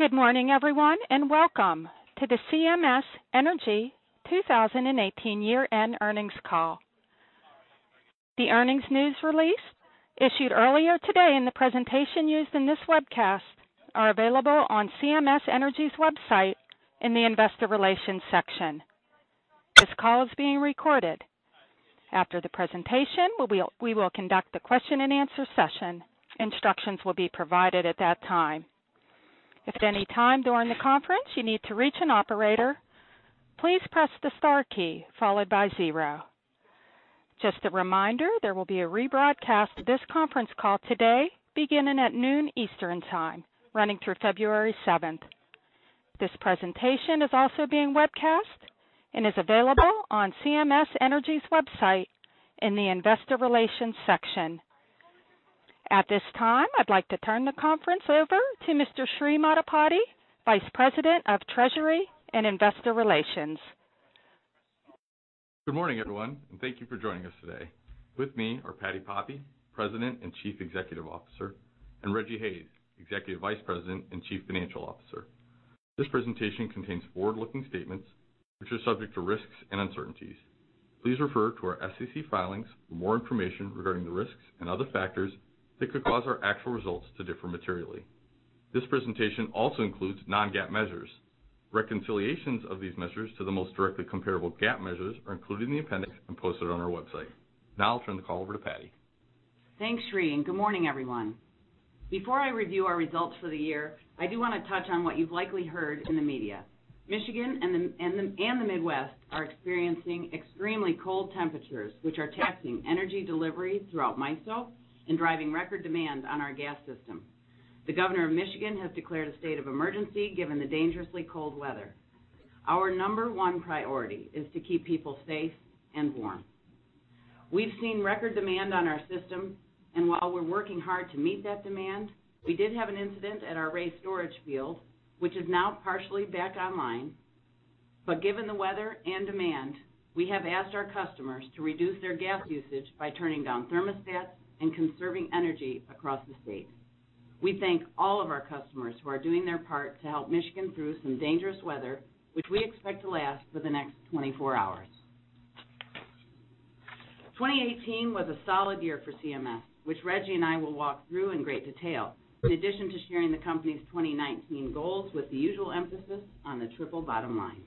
Good morning everyone, and welcome to the CMS Energy 2018 year-end earnings call. The earnings news release issued earlier today, and the presentation used in this webcast are available on CMS Energy's website in the investor relations section. This call is being recorded. After the presentation, we will conduct a question-and-answer session. Instructions will be provided at that time. If at any time during the conference you need to reach an operator, please press the star key followed by zero. Just a reminder, there will be a rebroadcast of this conference call today beginning at noon Eastern Time, running through February 7th. This presentation is also being webcast and is available on CMS Energy's website in the investor relations section. At this time, I'd like to turn the conference over to Mr. Srikanth Maddipati, Vice President of Treasury and Investor Relations. Good morning, everyone, and thank you for joining us today. With me are Patti Poppe, President and Chief Executive Officer, and Rejji Hayes, Executive Vice President and Chief Financial Officer. This presentation contains forward-looking statements, which are subject to risks and uncertainties. Please refer to our SEC filings for more information regarding the risks and other factors that could cause our actual results to differ materially. This presentation also includes non-GAAP measures. Reconciliations of these measures to the most directly comparable GAAP measures are included in the appendix and posted on our website. Now I'll turn the call over to Patti. Thanks, Sri, and good morning, everyone. Before I review our results for the year, I do want to touch on what you've likely heard in the media. and the Midwest are experiencing extremely cold temperatures, which are testing energy delivery throughout MISO and driving record demand on our gas system. The Governor of Michigan has declared a state of emergency given the dangerously cold weather. Our number one priority is to keep people safe and warm. We've seen record demand on our system, and while we're working hard to meet that demand, we did have an incident at our Ray storage field, which is now partially back online. Given the weather and demand, we have asked our customers to reduce their gas usage by turning down thermostats and conserving energy across the state. We thank all of our customers who are doing their part to help Michigan through some dangerous weather, which we expect to last for the next 24 hours. 2018 was a solid year for CMS, which Rejji and I will walk through in great detail, in addition to sharing the company's 2019 goals with the usual emphasis on the triple bottom line.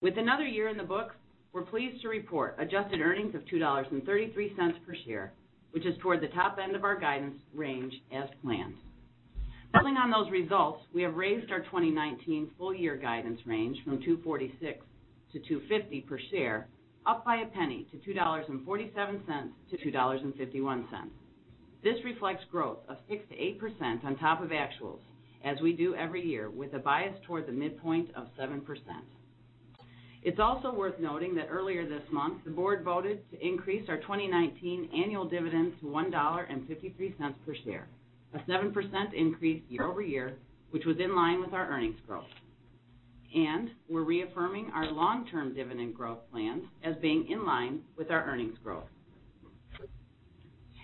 With another year in the books, we're pleased to report adjusted earnings of $2.33 per share, which is toward the top end of our guidance range as planned. Building on those results, we have raised our 2019 full-year guidance range from $2.46-$2.50 per share, up by a penny to $2.47-$2.51. This reflects growth of 6%-8% on top of actuals, as we do every year with a bias toward the midpoint of 7%. It's also worth noting that earlier this month, the board voted to increase our 2019 annual dividends to $1.53 per share, a 7% increase year-over-year, which was in line with our earnings growth. We're reaffirming our long-term dividend growth plans as being in line with our earnings growth.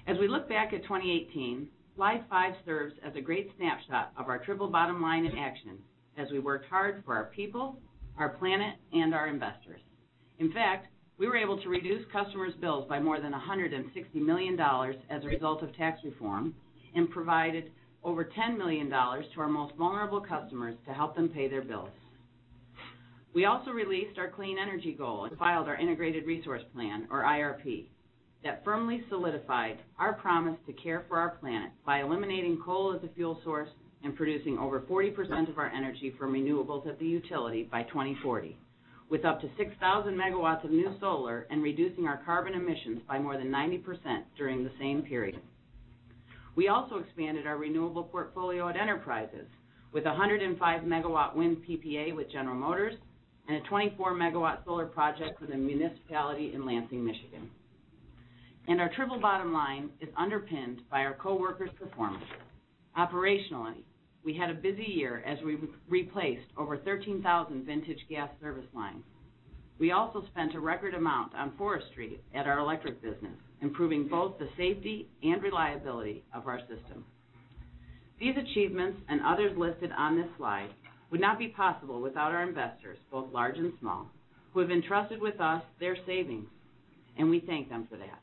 As we look back at 2018, slide five serves as a great snapshot of our triple bottom line in action as we worked hard for our people, our planet, and our investors. In fact, we were able to reduce customers' bills by more than $160 million as a result of tax reform and provided over $10 million to our most vulnerable customers to help them pay their bills. We also released our clean energy goal and filed our integrated resource plan, or IRP, that firmly solidified our promise to care for our planet by eliminating coal as a fuel source and producing over 40% of our energy from renewables at the utility by 2040, with up to 6,000 megawatts of new solar, and reducing our carbon emissions by more than 90% during the same period. We also expanded our renewable portfolio at enterprises, with a 105 MW wind PPA with General Motors and a 24 MW solar project with a municipality in Lansing, Michigan. Our triple bottom line is underpinned by our coworkers' performance. Operationally, we had a busy year as we replaced over 13,000 vintage gas service lines. We also spent a record amount on forestry at our electric business, improving both the safety and reliability of our system. These achievements and others listed on this slide would not be possible without our investors, both large and small, who have entrusted with us their savings, and we thank them for that.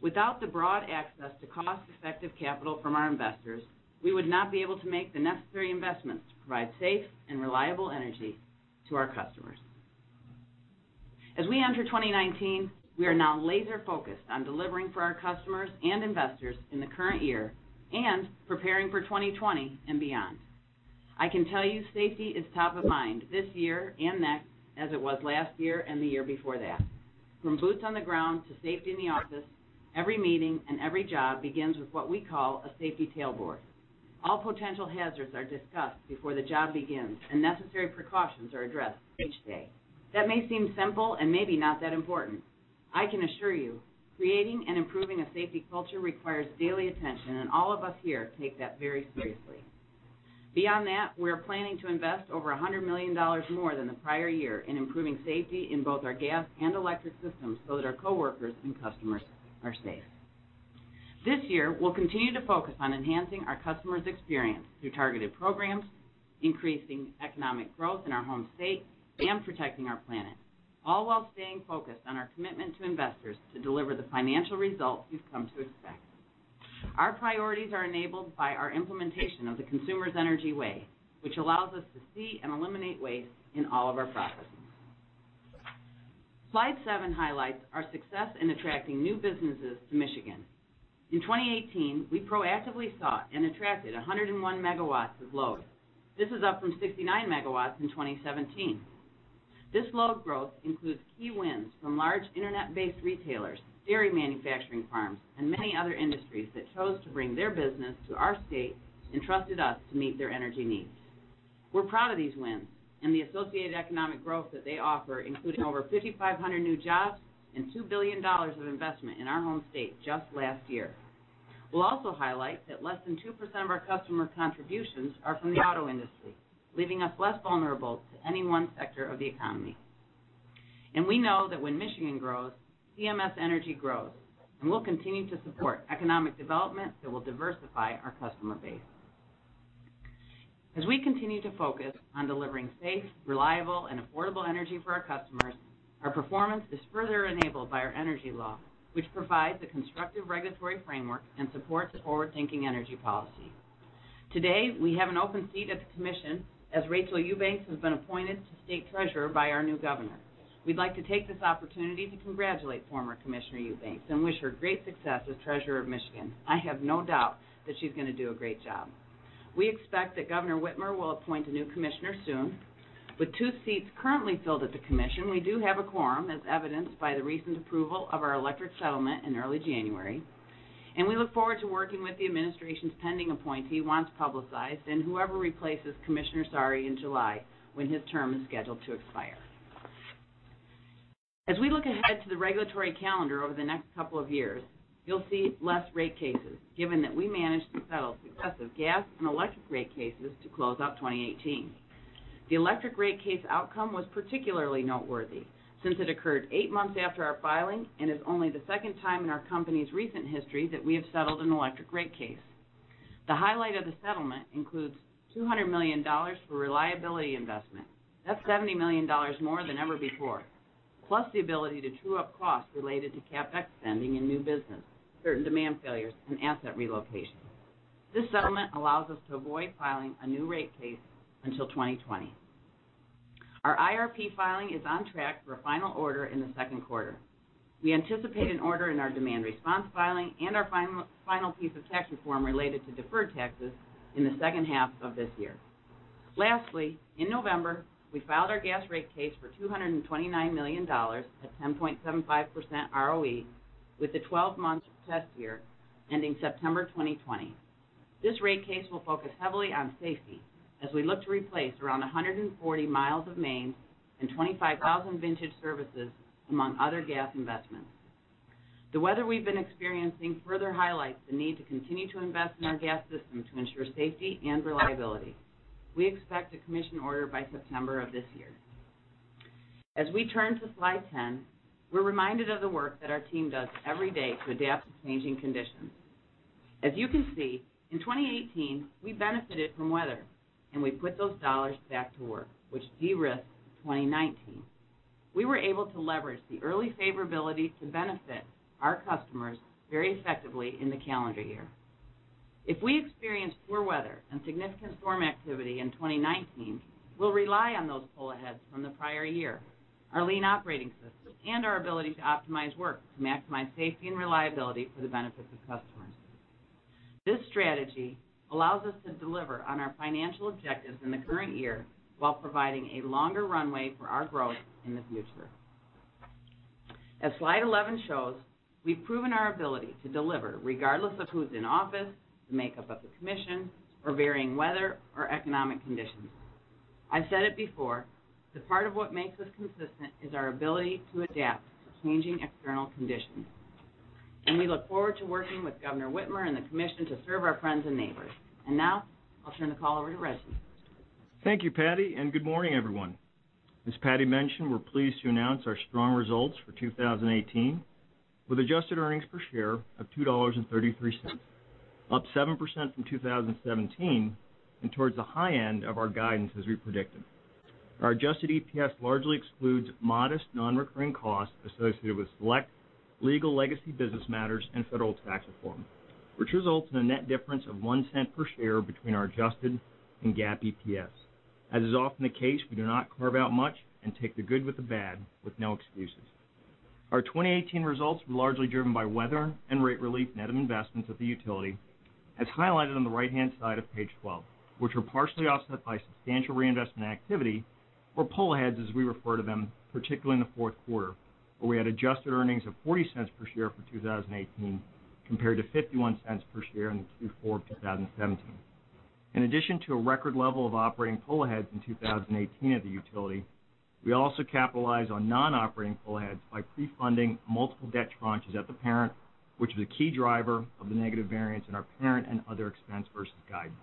Without the broad access to cost-effective capital from our investors, we would not be able to make the necessary investments to provide safe and reliable energy to our customers. As we enter 2019, we are now laser-focused on delivering for our customers and investors in the current year and preparing for 2020 and beyond. I can tell you safety is top of mind this year and next, as it was last year and the year before that. From boots on the ground to safety in the office, every meeting and every job begins with what we call a safety tailboard. All potential hazards are discussed before the job begins, and necessary precautions are addressed each day. That may seem simple and maybe not that important. I can assure you, creating and improving a safety culture requires daily attention. All of us here take that very seriously. Beyond that, we are planning to invest over $100 million more than the prior year in improving safety in both our gas and electric systems so that our coworkers and customers are safe. This year, we'll continue to focus on enhancing our customers' experience through targeted programs, increasing economic growth in our home state, and protecting our planet, all while staying focused on our commitment to investors to deliver the financial results you've come to expect. Our priorities are enabled by our implementation of the Consumers Energy Way, which allows us to see and eliminate waste in all of our processes. Slide seven highlights our success in attracting new businesses to Michigan. In 2018, we proactively sought and attracted 101 MW of load. This is up from 69 MW in 2017. This load growth includes key wins from large internet-based retailers, dairy manufacturing farms, and many other industries that chose to bring their business to our state and trusted us to meet their energy needs. We're proud of these wins and the associated economic growth that they offer, including over 5,500 new jobs and $2 billion of investment in our home state just last year. We'll also highlight that less than 2% of our customer contributions are from the auto industry, leaving us less vulnerable to any one sector of the economy. We know that when Michigan grows, CMS Energy grows, and we'll continue to support economic development that will diversify our customer base. As we continue to focus on delivering safe, reliable, and affordable energy for our customers, our performance is further enabled by our energy law, which provides a constructive regulatory framework and supports forward-thinking energy policy. Today, we have an open seat at the commission as Rachael Eubanks has been appointed to State Treasurer by our new Governor. We'd like to take this opportunity to congratulate former Commissioner Eubanks and wish her great success as Treasurer of Michigan. I have no doubt that she's going to do a great job. We expect that Governor Whitmer will appoint a new commissioner soon. With two seats currently filled at the commission, we do have a quorum, as evidenced by the recent approval of our electric settlement in early January, and we look forward to working with the administration's pending appointee once publicized and whoever replaces Commissioner Saari in July when his term is scheduled to expire. As we look ahead to the regulatory calendar over the next couple of years, you'll see less rate cases, given that we managed to settle successive gas and electric rate cases to close out 2018. The electric rate case outcome was particularly noteworthy, since it occurred eight months after our filing and is only the second time in our company's recent history that we have settled an electric rate case. The highlight of the settlement includes $200 million for reliability investment. That's $70 million more than ever before. Plus the ability to true up costs related to CapEx spending and new business, certain demand failures, and asset relocation. This settlement allows us to avoid filing a new rate case until 2020. Our IRP filing is on track for a final order in the second quarter. We anticipate an order in our demand response filing and our final piece of tax reform related to deferred taxes in the second half of this year. Lastly, in November, we filed our gas rate case for $229 million at 10.75% ROE with a 12-month success year ending September 2020. This rate case will focus heavily on safety as we look to replace around 140 mi of mains and 25,000 vintage services, among other gas investments. The weather we've been experiencing further highlights the need to continue to invest in our gas system to ensure safety and reliability. We expect a commission order by September of this year. As we turn to slide 10, we're reminded of the work that our team does every day to adapt to changing conditions. As you can see, in 2018, we benefited from the weather, and we put those dollars back to work, which de-risked 2019. We were able to leverage the early favorability to benefit our customers very effectively in the calendar year. If we experience poor weather and significant storm activity in 2019, we'll rely on those pull-aheads from the prior year, our lean operating system, and our ability to optimize work to maximize safety and reliability for the benefit of customers. This strategy allows us to deliver on our financial objectives in the current year while providing a longer runway for our growth in the future. As slide 11 shows, we've proven our ability to deliver regardless of who's in office, the makeup of the commission, or varying weather or economic conditions. I've said it before that part of what makes us consistent is our ability to adapt to changing external conditions. We look forward to working with Governor Whitmer and the commission to serve our friends and neighbors. Now I'll turn the call over to Rejji. Thank you, Patti, and good morning, everyone. As Patti mentioned, we're pleased to announce our strong results for 2018, with adjusted earnings per share of $2.33, up 7% from 2017, and towards the high end of our guidance as we predicted. Our adjusted EPS largely excludes modest non-recurring costs associated with select legal legacy business matters and federal tax reform, which results in a net difference of $0.01 per share between our adjusted and GAAP EPS. As is often the case, we do not carve out much and take the good with the bad with no excuses. Our 2018 results were largely driven by weather and rate relief, net of investments at the utility, as highlighted on the right-hand side of page 12, which were partially offset by substantial reinvestment activity, or pull-aheads, as we refer to them, particularly in the fourth quarter, where we had adjusted earnings of $0.40 per share for 2018 compared to $0.51 per share in the Q4 2017. In addition to a record level of operating pull-aheads in 2018 at the utility, we also capitalized on non-operating pull-aheads by pre-funding multiple debt tranches at the parent, which was a key driver of the negative variance in our parent and other expense versus guidance.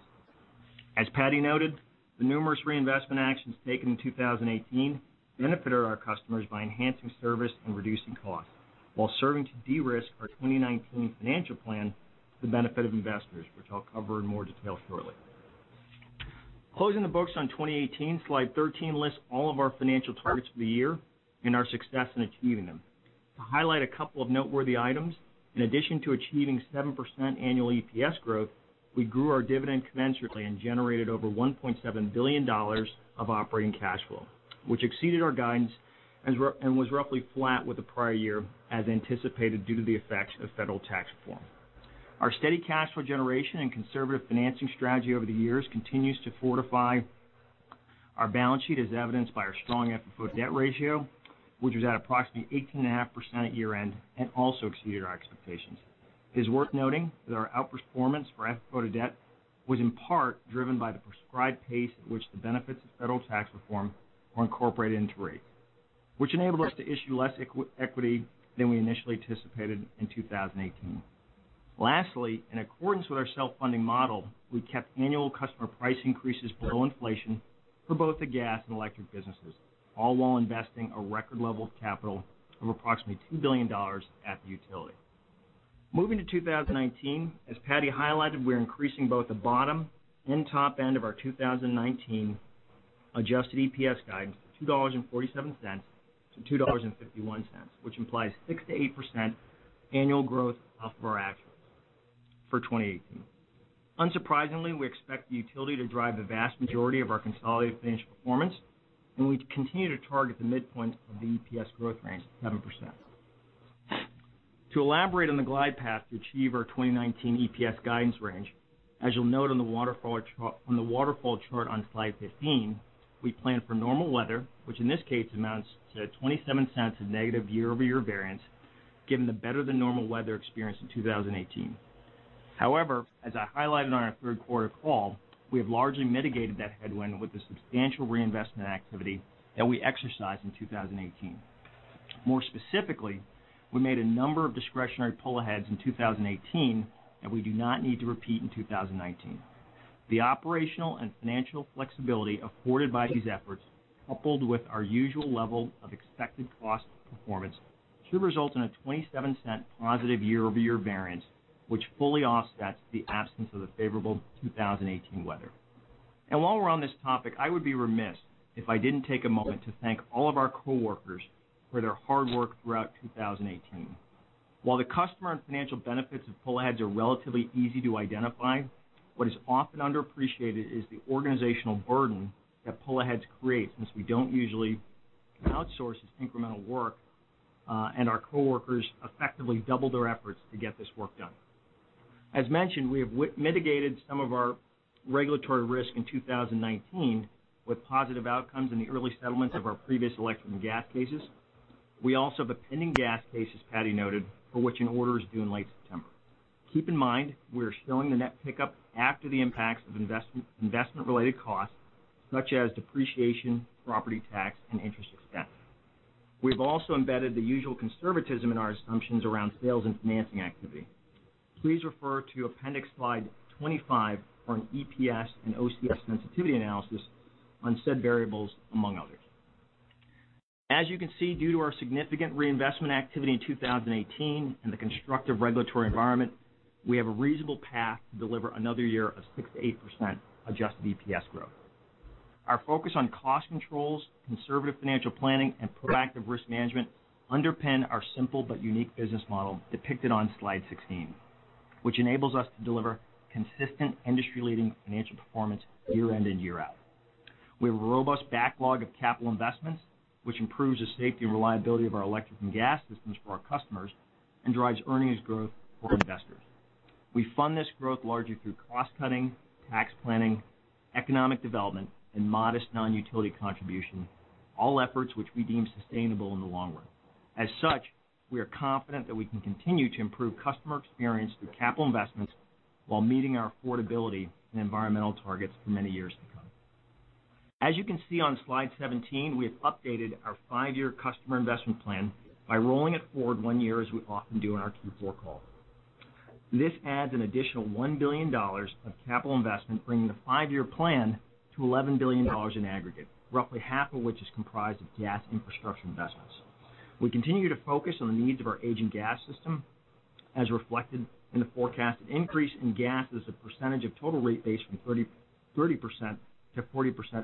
As Patti noted, the numerous reinvestment actions taken in 2018 benefited our customers by enhancing service and reducing costs, while serving to de-risk our 2019 financial plan to the benefit of investors, which I'll cover in more detail shortly. Closing the books on 2018, slide 13 lists all of our financial targets for the year and our success in achieving them. To highlight a couple of noteworthy items, in addition to achieving 7% annual EPS growth, we grew our dividend commensurately and generated over $1.7 billion of operating cash flow, which exceeded our guidance and was roughly flat with the prior year, as anticipated due to the effects of federal tax reform. Our steady cash flow generation and conservative financing strategy over the years continues to fortify our balance sheet, as evidenced by our strong FFO debt ratio, which was at approximately 18.5% at year-end, and also exceeded our expectations. It is worth noting that our outperformance for FFO to debt was in part driven by the prescribed pace at which the benefits of federal tax reform were incorporated into the rate, which enabled us to issue less equity than we initially anticipated in 2018. Lastly, in accordance with our self-funding model, we kept annual customer price increases below inflation for both the gas and electric businesses, all while investing a record level of capital of approximately $2 billion at the utility. Moving to 2019, as Patti highlighted, we're increasing both the bottom and top end of our 2019 adjusted EPS guidance to $2.47 to $2.51, which implies 6%-8% annual growth off of our actuals for 2018. Unsurprisingly, we expect the utility to drive the vast majority of our consolidated financial performance, and we continue to target the midpoint of the EPS growth range of 7%. To elaborate on the glide path to achieve our 2019 EPS guidance range, as you'll note on the waterfall chart on slide 15, we plan for normal weather, which in this case amounts to $0.27 of negative year-over-year variance given the better-than-normal weather experienced in 2018. However, as I highlighted on our third-quarter call, we have largely mitigated that headwind with the substantial reinvestment activity that we exercised in 2018. More specifically, we made a number of discretionary pull-aheads in 2018 that we do not need to repeat in 2019. The operational and financial flexibility afforded by these efforts, coupled with our usual level of expected cost performance, should result in a $0.27 positive year-over-year variance, which fully offsets the absence of the favorable 2018 weather. While we're on this topic, I would be remiss if I didn't take a moment to thank all of our coworkers for their hard work throughout 2018. While the customer and financial benefits of pull-aheads are relatively easy to identify, what is often underappreciated is the organizational burden that pull-aheads create, since we don't usually outsource this incremental work, and our coworkers effectively double their efforts to get this work done. As mentioned, we have mitigated some of our regulatory risk in 2019 with positive outcomes in the early settlements of our previous electric and gas cases. We also have a pending gas case, as Patti noted, for which an order is due in late September. Keep in mind, we're showing the net pickup after the impacts of investment-related costs, such as depreciation, property tax, and interest expense. We've also embedded the usual conservatism in our assumptions around sales and financing activity. Please refer to Appendix Slide 25 for an EPS and OCF sensitivity analysis on said variables, among others. As you can see, due to our significant reinvestment activity in 2018 and the constructive regulatory environment, we have a reasonable path to deliver another year of 6%-8% adjusted EPS growth. Our focus on cost controls, conservative financial planning, and proactive risk management underpins our simple but unique business model depicted on slide 16, which enables us to deliver consistent industry-leading financial performance year in and year out. We have a robust backlog of capital investments, which improves the safety and reliability of our electric and gas systems for our customers and drives earnings growth for investors. We fund this growth largely through cost-cutting, tax planning, economic development, and modest non-utility contributions, all efforts which we deem sustainable in the long run. As such, we are confident that we can continue to improve customer experience through capital investments while meeting our affordability and environmental targets for many years to come. As you can see on slide 17, we have updated our five-year customer investment plan by rolling it forward one year, as we often do on our Q4 call. This adds an additional $1 billion of capital investment, bringing the five-year plan to $11 billion in aggregate, roughly half of which is comprised of gas infrastructure investments. We continue to focus on the needs of our aging gas system, as reflected in the forecasted increase in gas as a percentage of total rate base from 30%-40%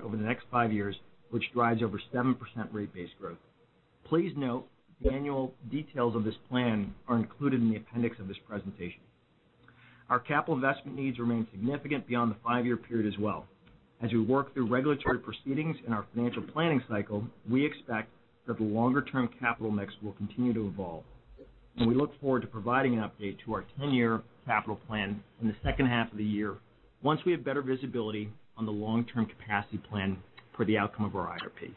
over the next five years, which drives over 7% rate base growth. Please note the annual details of this plan are included in the appendix of this presentation. Our capital investment needs remain significant beyond the five-year period as well. As we work through regulatory proceedings and our financial planning cycle, we expect that the longer-term capital mix will continue to evolve. We look forward to providing an update to our 10-year capital plan in the second half of the year once we have better visibility on the long-term capacity plan per the outcome of our IRP.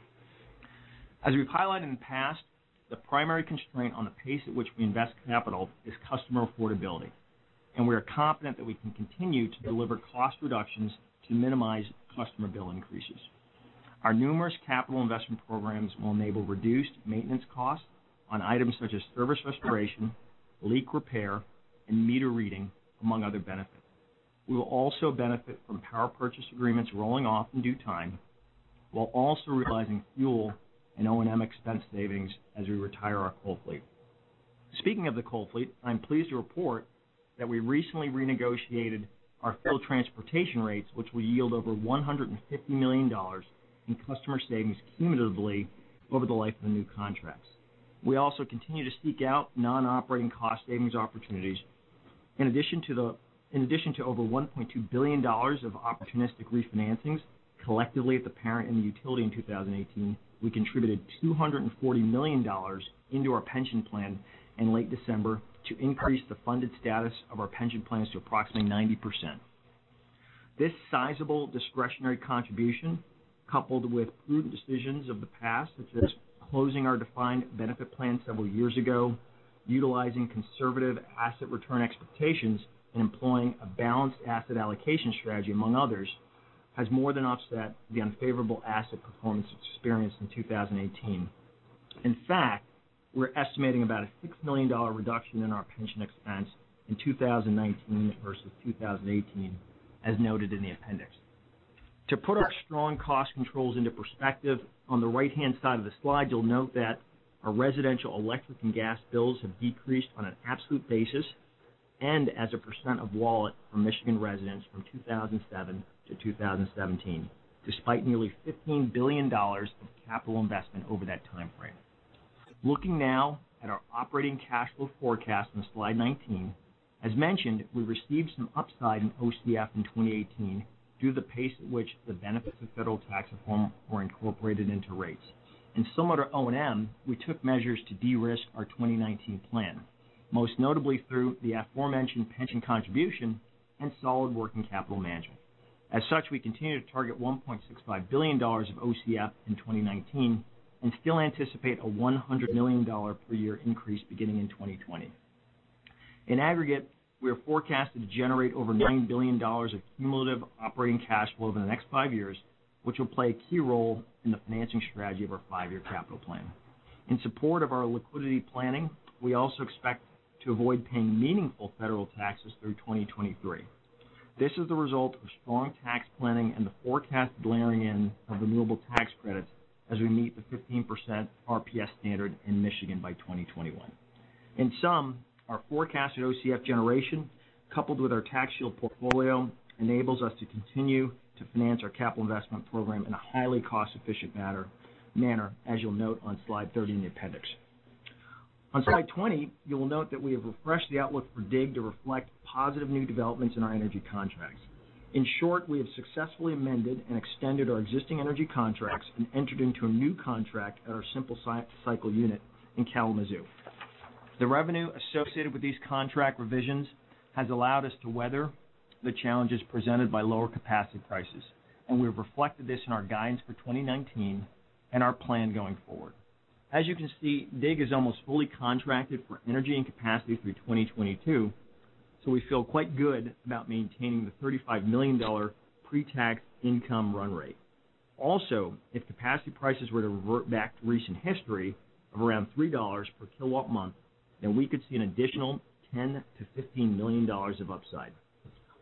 As we've highlighted in the past, the primary constraint on the pace at which we invest capital is customer affordability. We are confident that we can continue to deliver cost reductions to minimize customer bill increases. Our numerous capital investment programs will enable reduced maintenance costs on items such as service restoration, leak repair, and meter reading, among other benefits. We will also benefit from power purchase agreements rolling off in due time, while also realizing fuel and O&M expense savings as we retire our coal fleet. Speaking of the coal fleet, I'm pleased to report that we recently renegotiated our fuel transportation rates, which will yield over $150 million in customer savings cumulatively over the life of the new contracts. We also continue to seek out non-operating cost savings opportunities. In addition to over $1.2 billion of opportunistic refinancings collectively at the parent and the utility in 2018, we contributed $240 million into our pension plan in late December to increase the funded status of our pension plans to approximately 90%. This sizable discretionary contribution, coupled with prudent decisions of the past, such as closing our defined benefit plan several years ago, utilizing conservative asset return expectations, and employing a balanced asset allocation strategy, among others, has more than offset the unfavorable asset performance experienced in 2018. In fact, we're estimating about a $6 million reduction in our pension expense in 2019 versus 2018, as noted in the appendix. To put our strong cost controls into perspective, on the right-hand side of the slide, you'll note that our residential electric and gas bills have decreased on an absolute basis and as a percent of wallet for Michigan residents from 2007 to 2017, despite nearly $15 billion of capital investment over that timeframe. Looking now at our operating cash flow forecast on slide 19, as mentioned, we received some upside in OCF in 2018 due to the pace at which the benefits of federal tax reform were incorporated into rates. Similar to O&M, we took measures to de-risk our 2019 plan, most notably through the aforementioned pension contribution and solid working capital management. Such, we continue to target $1.65 billion of OCF in 2019 and still anticipate a $100 million per year increase beginning in 2020. In aggregate, we are forecasted to generate over $9 billion of cumulative operating cash flow over the next five years, which will play a key role in the financing strategy of our five-year capital plan. In support of our liquidity planning, we also expect to avoid paying meaningful federal taxes through 2023. This is the result of strong tax planning and the forecasted layering in of renewable tax credits as we meet the 15% RPS standard in Michigan by 2021. In some, our forecasted OCF generation, coupled with our tax-shield portfolio, enables us to continue to finance our capital investment program in a highly cost-efficient manner, as you'll note on slide 30 in the appendix. On slide 20, you will note that we have refreshed the outlook for DIG to reflect positive new developments in our energy contracts. In short, we have successfully amended and extended our existing energy contracts and entered into a new contract at our simple cycle unit in Kalamazoo. The revenue associated with these contract revisions has allowed us to weather the challenges presented by lower capacity prices, and we've reflected this in our guidance for 2019 and our plan going forward. As you can see, DIG is almost fully contracted for energy and capacity through 2022, so we feel quite good about maintaining the $35 million pre-tax income run rate. Also, if capacity prices were to revert back to the recent history of around $3 per kilowatt month, then we could see an additional $10 million-$15 million of upside.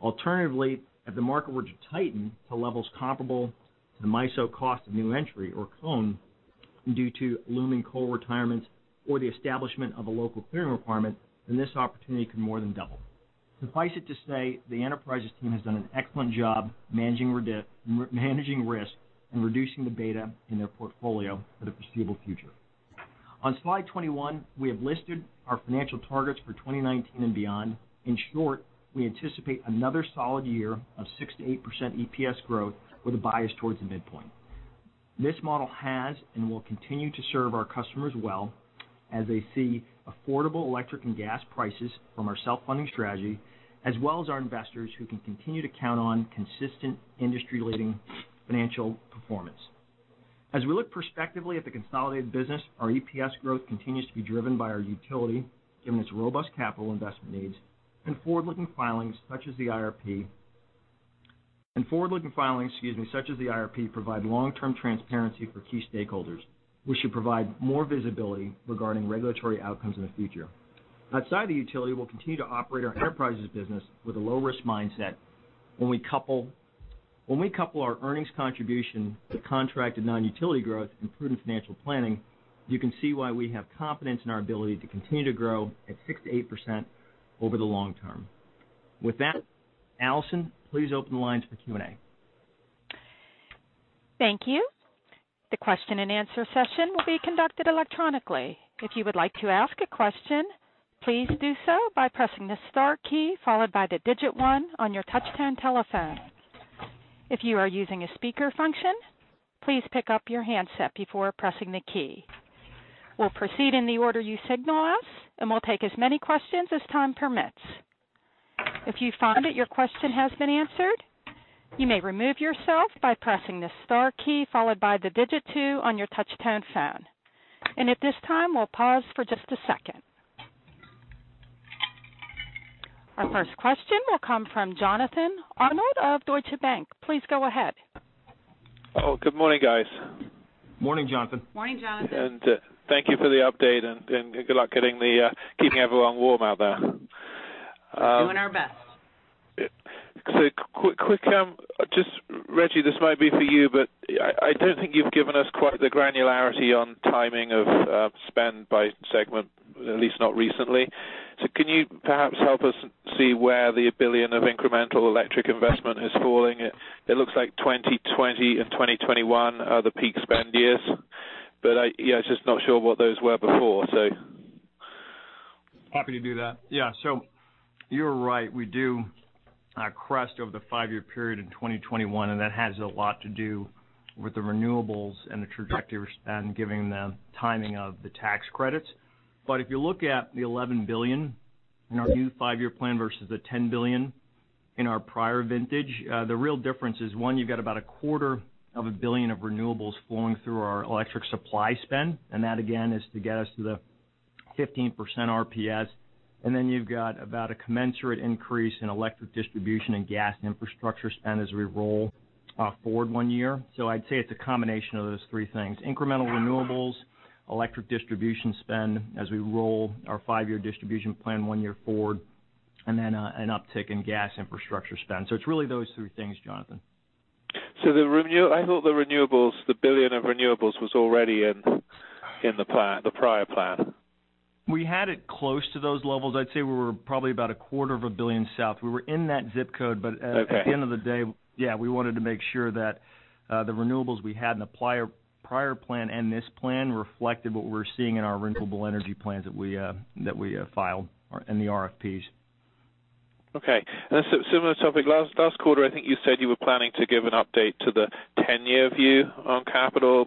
Alternatively, if the market were to tighten to levels comparable to the MISO CONE, due to looming coal retirements or the establishment of a local clearing requirement, then this opportunity could more than double. Suffice it to say, the Enterprises team has done an excellent job managing risk and reducing the beta in their portfolio for the foreseeable future. On slide 21, we have listed our financial targets for 2019 and beyond. In short, we anticipate another solid year of 6%-8% EPS growth with a bias towards the midpoint. This model has and will continue to serve our customers well as they see affordable electric and gas prices from our self-funding strategy, as well as our investors, who can continue to count on consistent industry-leading financial performance. As we look prospectively at the consolidated business, our EPS growth continues to be driven by our utility, given its robust capital investment needs and forward-looking filings such as the IRP. Forward-looking filings, excuse me, such as the IRP, provide long-term transparency for key stakeholders. We should provide more visibility regarding regulatory outcomes in the future. Outside the utility, we'll continue to operate our Enterprises business with a low-risk mindset. When we couple our earnings contribution to contracted non-utility growth and prudent financial planning, you can see why we have confidence in our ability to continue to grow at 6%-8% over the long term. With that, Allison, please open the lines for Q&A. Thank you. The question-and-answer session will be conducted electronically. If you would like to ask a question, please do so by pressing the star key followed by the digit one on your touch-tone telephone. If you are using a speaker function, please pick up your handset before pressing the key. We'll proceed in the order you signal us, and we'll take as many questions as time permits. If you find that your question has been answered, you may remove yourself by pressing the star key followed by the digit two on your touch-tone phone. At this time, we'll pause for just a second. Our first question will come from Jonathan Arnold of Deutsche Bank. Please go ahead. Oh, good morning, guys. Morning, Jonathan. Morning, Jonathan. Thank you for the update, and good luck keeping everyone warm out there. Doing our best. Quick, just Rejji, this might be for you, but I don't think you've given us quite the granularity on timing of spend by segment, at least not recently. Can you perhaps help us see where the $1 billion of incremental electric investment is falling? It looks like 2020 and 2021 are the peak spend years, but I'm just not sure what those were before. Happy to do that. Yeah. You are right. We do crest over the five-year period in 2021, that has a lot to do with the renewables and the trajectory, and giving the timing of the tax credits. If you look at the $11 billion in our new five-year plan versus the $10 billion in our prior vintage, the real difference is, one, you've got about a quarter of a billion of renewables flowing through our electric supply spend, that again is to get us to the 15% RPS. You've got about a commensurate increase in electric distribution and gas infrastructure spend as we roll forward one year. I'd say it's a combination of those three things: incremental renewables, electric distribution spend as we roll our five-year distribution plan one year forward, and then an uptick in gas infrastructure spend. It's really those three things, Jonathan. I thought the $1 billion of renewables was already in the prior plan. We had it close to those levels. I'd say we were probably about a quarter of a billion south. We were in that zip code. Okay. The end of the day, yeah, we wanted to make sure that the renewables we had in the prior plan and this plan reflected what we were seeing in our renewable energy plans that we filed in the RFPs. Okay. A similar topic, last quarter, I think you said you were planning to give an update to the 10-year view on capital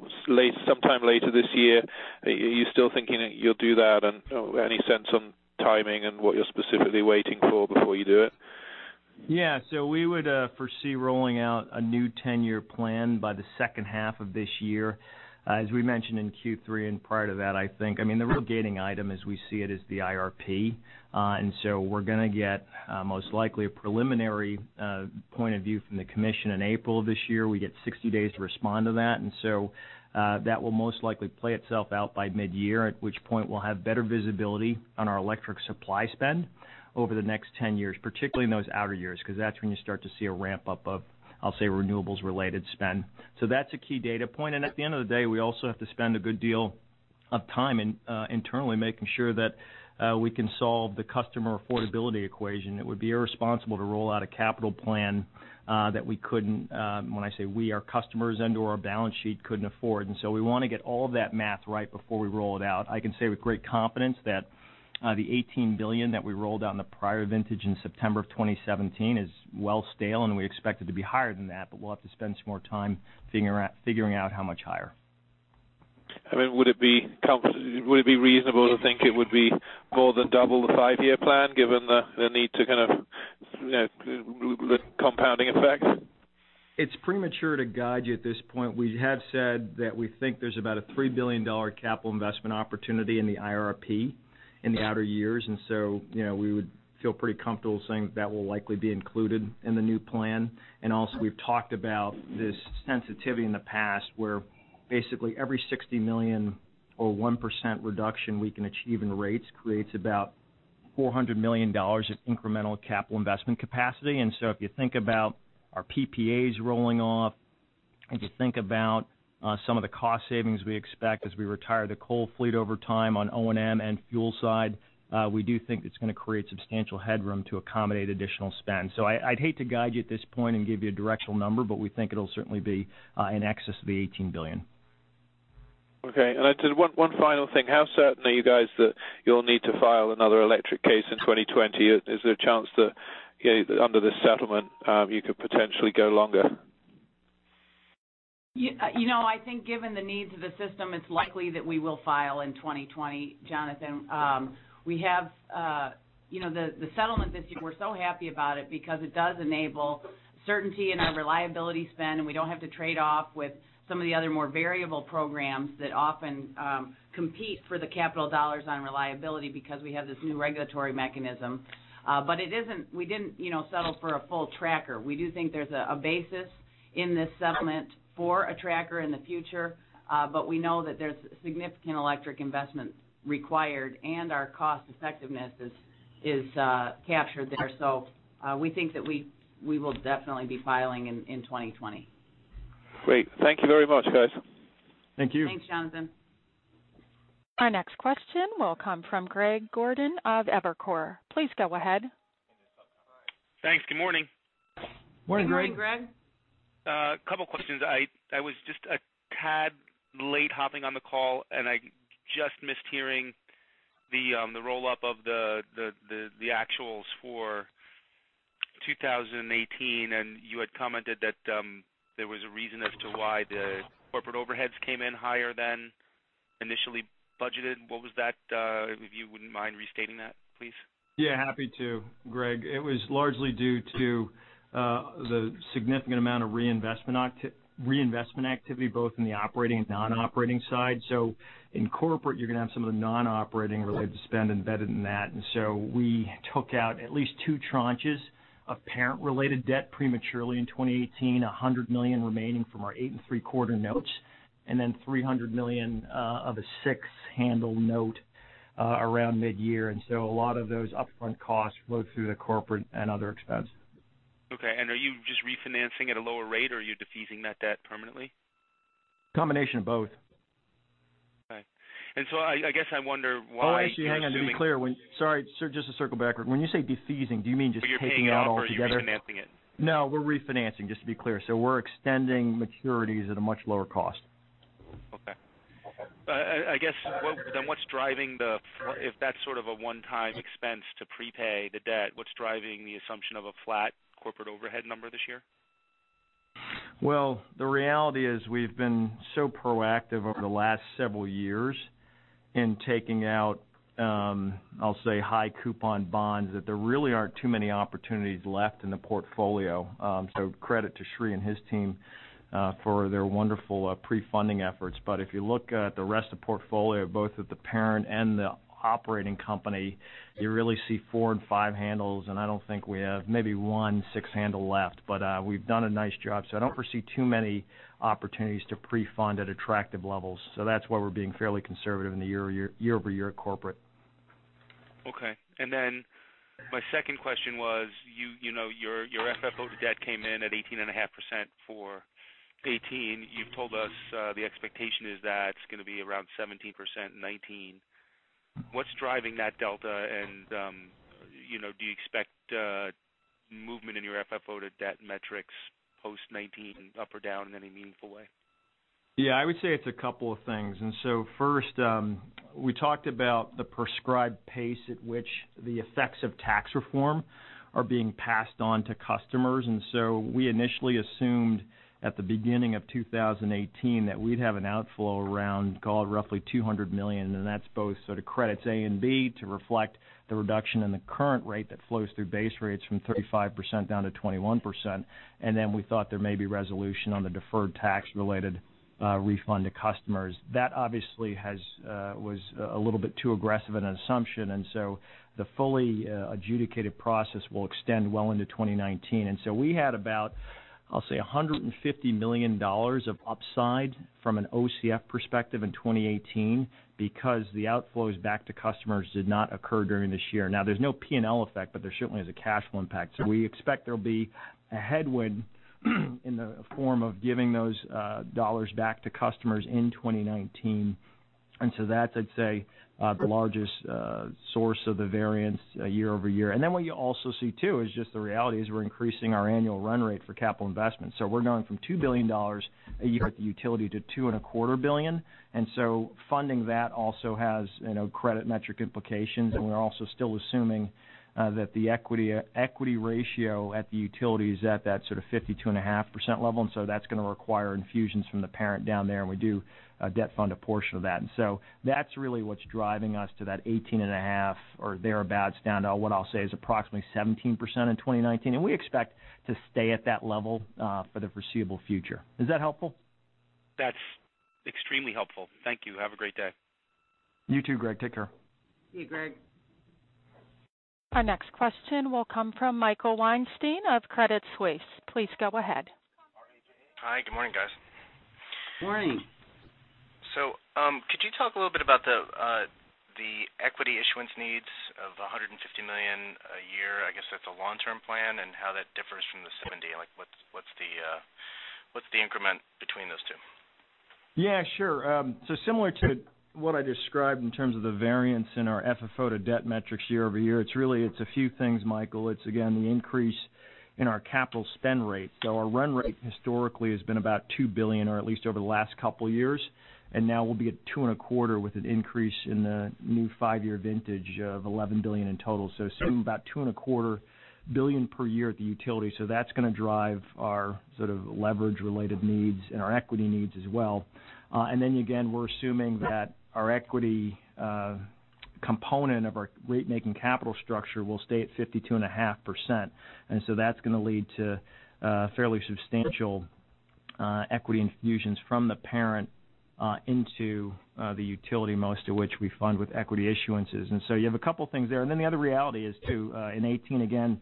sometime later this year. Are you still thinking that you'll do that, and any sense on timing and what you're specifically waiting for before you do it? We would foresee rolling out a new 10-year plan by the second half of this year. As we mentioned in Q3 and prior to that, I think, the real gating item as we see it is the IRP. We're going to get, most likely, a preliminary point of view from the Commission in April this year. We get 60 days to respond to that. That will most likely play itself out by mid-year, at which point we'll have better visibility on our electric supply spend over the next 10 years, particularly in those outer years, because that's when you start to see a ramp-up of, I'll say, renewables-related spend. That's a key data point. At the end of the day, we also have to spend a good deal of time internally making sure that we can solve the customer affordability equation. It would be irresponsible to roll out a capital plan that we couldn't, when I say we, our customers under our balance sheet, couldn't afford. We want to get all of that math right before we roll it out. I can say with great confidence that the $18 billion that we rolled out in the prior vintage in September of 2017 is well stale, and we expect it to be higher than that, but we'll have to spend some more time figuring out how much higher. Would it be reasonable to think it would be more than double the five-year plan, given the need to kind of with compounding effects? It's premature to guide you at this point. We have said that we think there's about a $3 billion capital investment opportunity in the IRP in the outer years, we would feel pretty comfortable saying that will likely be included in the new plan. Also, we've talked about this sensitivity in the past, where basically every $60 million or 1% reduction we can achieve in rates creates about $400 million of incremental capital investment capacity. If you think about our PPAs rolling off, if you think about some of the cost savings we expect as we retire the coal fleet over time on the O&M and fuel side, we do think it's going to create substantial headroom to accommodate additional spend. I'd hate to guide you at this point and give you a directional number, but we think it'll certainly be in excess of the $18 billion. Okay. One final thing. How certain are you guys that you'll need to file another electric case in 2020? Is there a chance that under this settlement, you could potentially go longer? I think, given the needs of the system, it's likely that we will file in 2020, Jonathan. The settlement this year, we're so happy about it because it does enable certainty in our reliability spend, and we don't have to trade off with some of the other more variable programs that often compete for the capital dollars on reliability, because we have this new regulatory mechanism. We didn't settle for a full tracker. We do think there's a basis in this settlement for a tracker in the future, but we know that there's significant electric investment required, and our cost-effectiveness is captured there. We think that we will definitely be filing in 2020. Great. Thank you very much, guys. Thank you. Thanks, Jonathan. Our next question will come from Greg Gordon of Evercore. Please go ahead. Thanks. Good morning. Morning, Greg. Good morning, Greg. A couple of questions. I was just a tad late hopping on the call, and I just missed hearing the roll-up of the actuals for 2018, and you had commented that there was a reason as to why the corporate overheads came in higher than initially budgeted. What was that? If you wouldn't mind restating that, please. Yeah, happy to, Greg. It was largely due to the significant amount of reinvestment activity, both in the operating and non-operating sides. In corporate, you're going to have some of the non-operating-related spend embedded in that. We took out at least two tranches of parent-related debt prematurely in 2018, $100 million remaining from our eight-and-three-quarter notes, and then $300 million of a six-handle note around mid-year. A lot of those upfront costs flow through the corporate and other expenses. Okay. Are you just refinancing at a lower rate, or are you defeasing that debt permanently? A combination of both. Okay. Actually, hang on. Let me be clear. Sorry, just to circle backward. When you say defeasing, do you mean just taking it out altogether? You're paying off, or are you refinancing it? No, we're refinancing, just to be clear. We're extending maturities at a much lower cost. Okay. I guess, then what's driving if that's sort of a one-time expense to prepay the debt, what's driving the assumption of a flat corporate overhead number this year? The reality is we've been so proactive over the last several years in taking out, I'll say, high-coupon bonds, that there really aren't too many opportunities left in the portfolio. Credit to Sri and his team for their wonderful pre-funding efforts. If you look at the rest of the portfolio, both at the parent and the operating company, you really see four and five-handles, and I don't think we have maybe one six-handle left. We've done a nice job, so I don't foresee too many opportunities to pre-fund at attractive levels. That's why we're being fairly conservative in the year-over-year corporate. Okay. My second question was, your FFO-to-debt came in at 18.5% for 2018. You've told us the expectation is that it's going to be around 17% in 2019. What's driving that delta, and do you expect movement in your FFO-to-debt metrics post-2019 up or down in any meaningful way? Yeah, I would say it's a couple of things. First, we talked about the prescribed pace at which the effects of tax reform are being passed on to customers. We initially assumed at the beginning of 2018 that we'd have an outflow around, call it, roughly $200 million, and that's both sort of credits A and B, to reflect the reduction in the current rate that flows through base rates from 35% down to 21%. We thought there may be a resolution on the deferred tax-related refund to customers. That obviously was a little bit too aggressive an assumption. The fully adjudicated process will extend well into 2019. We had about, I'll say, $150 million of upside from an OCF perspective in 2018 because the outflows back to customers did not occur during this year. Now, there's no P&L effect, but there certainly is a cash flow impact. We expect there'll be a headwind in the form of giving those dollars back to customers in 2019. That's, I'd say, the largest source of the variance year-over-year. What you also see, too, is just the reality is we're increasing our annual run rate for capital investments. We're going from $2 billion a year at the utility to 2.25 billion, funding that also has credit-metric implications. We're also still assuming that the equity ratio at the utility is at that sort of 52.5% level, that's going to require infusions from the parent down there, and we do debt fund a portion of that. That's really what's driving us to that 18.5% or thereabouts down to what I'll say is approximately 17% in 2019. We expect to stay at that level for the foreseeable future. Is that helpful? That's extremely helpful. Thank you. Have a great day. You too, Greg. Take care. See you, Greg. Our next question will come from Michael Weinstein of Credit Suisse. Please go ahead. Hi. Good morning, guys. Morning. Could you talk a little bit about the equity issuance needs of $150 million a year? I guess that's a long-term plan, and how that differs from the $70 million? What's the increment between those two? Yeah, sure. Similar to what I described in terms of the variance in our FFO-to-debt metrics year-over-year, it's a few things, Michael. It's again, the increase in our capital spend rate. Our run rate historically has been about $2 billion, or at least over the last couple of years. Now we'll be at $2.25 billion with an increase in the new five-year vintage of $11 billion in total. Assume about $2.25 billion per year at the utility. That's going to drive our sort of leverage-related needs, and our equity needs as well. Then again, we're assuming that our equity component of our rate-making capital structure will stay at 52.5%. That's going to lead to fairly substantial equity infusions from the parent into the utility, most of which we fund with equity issuances. You have a couple of things there. Then the other reality is, too, in 2018, again,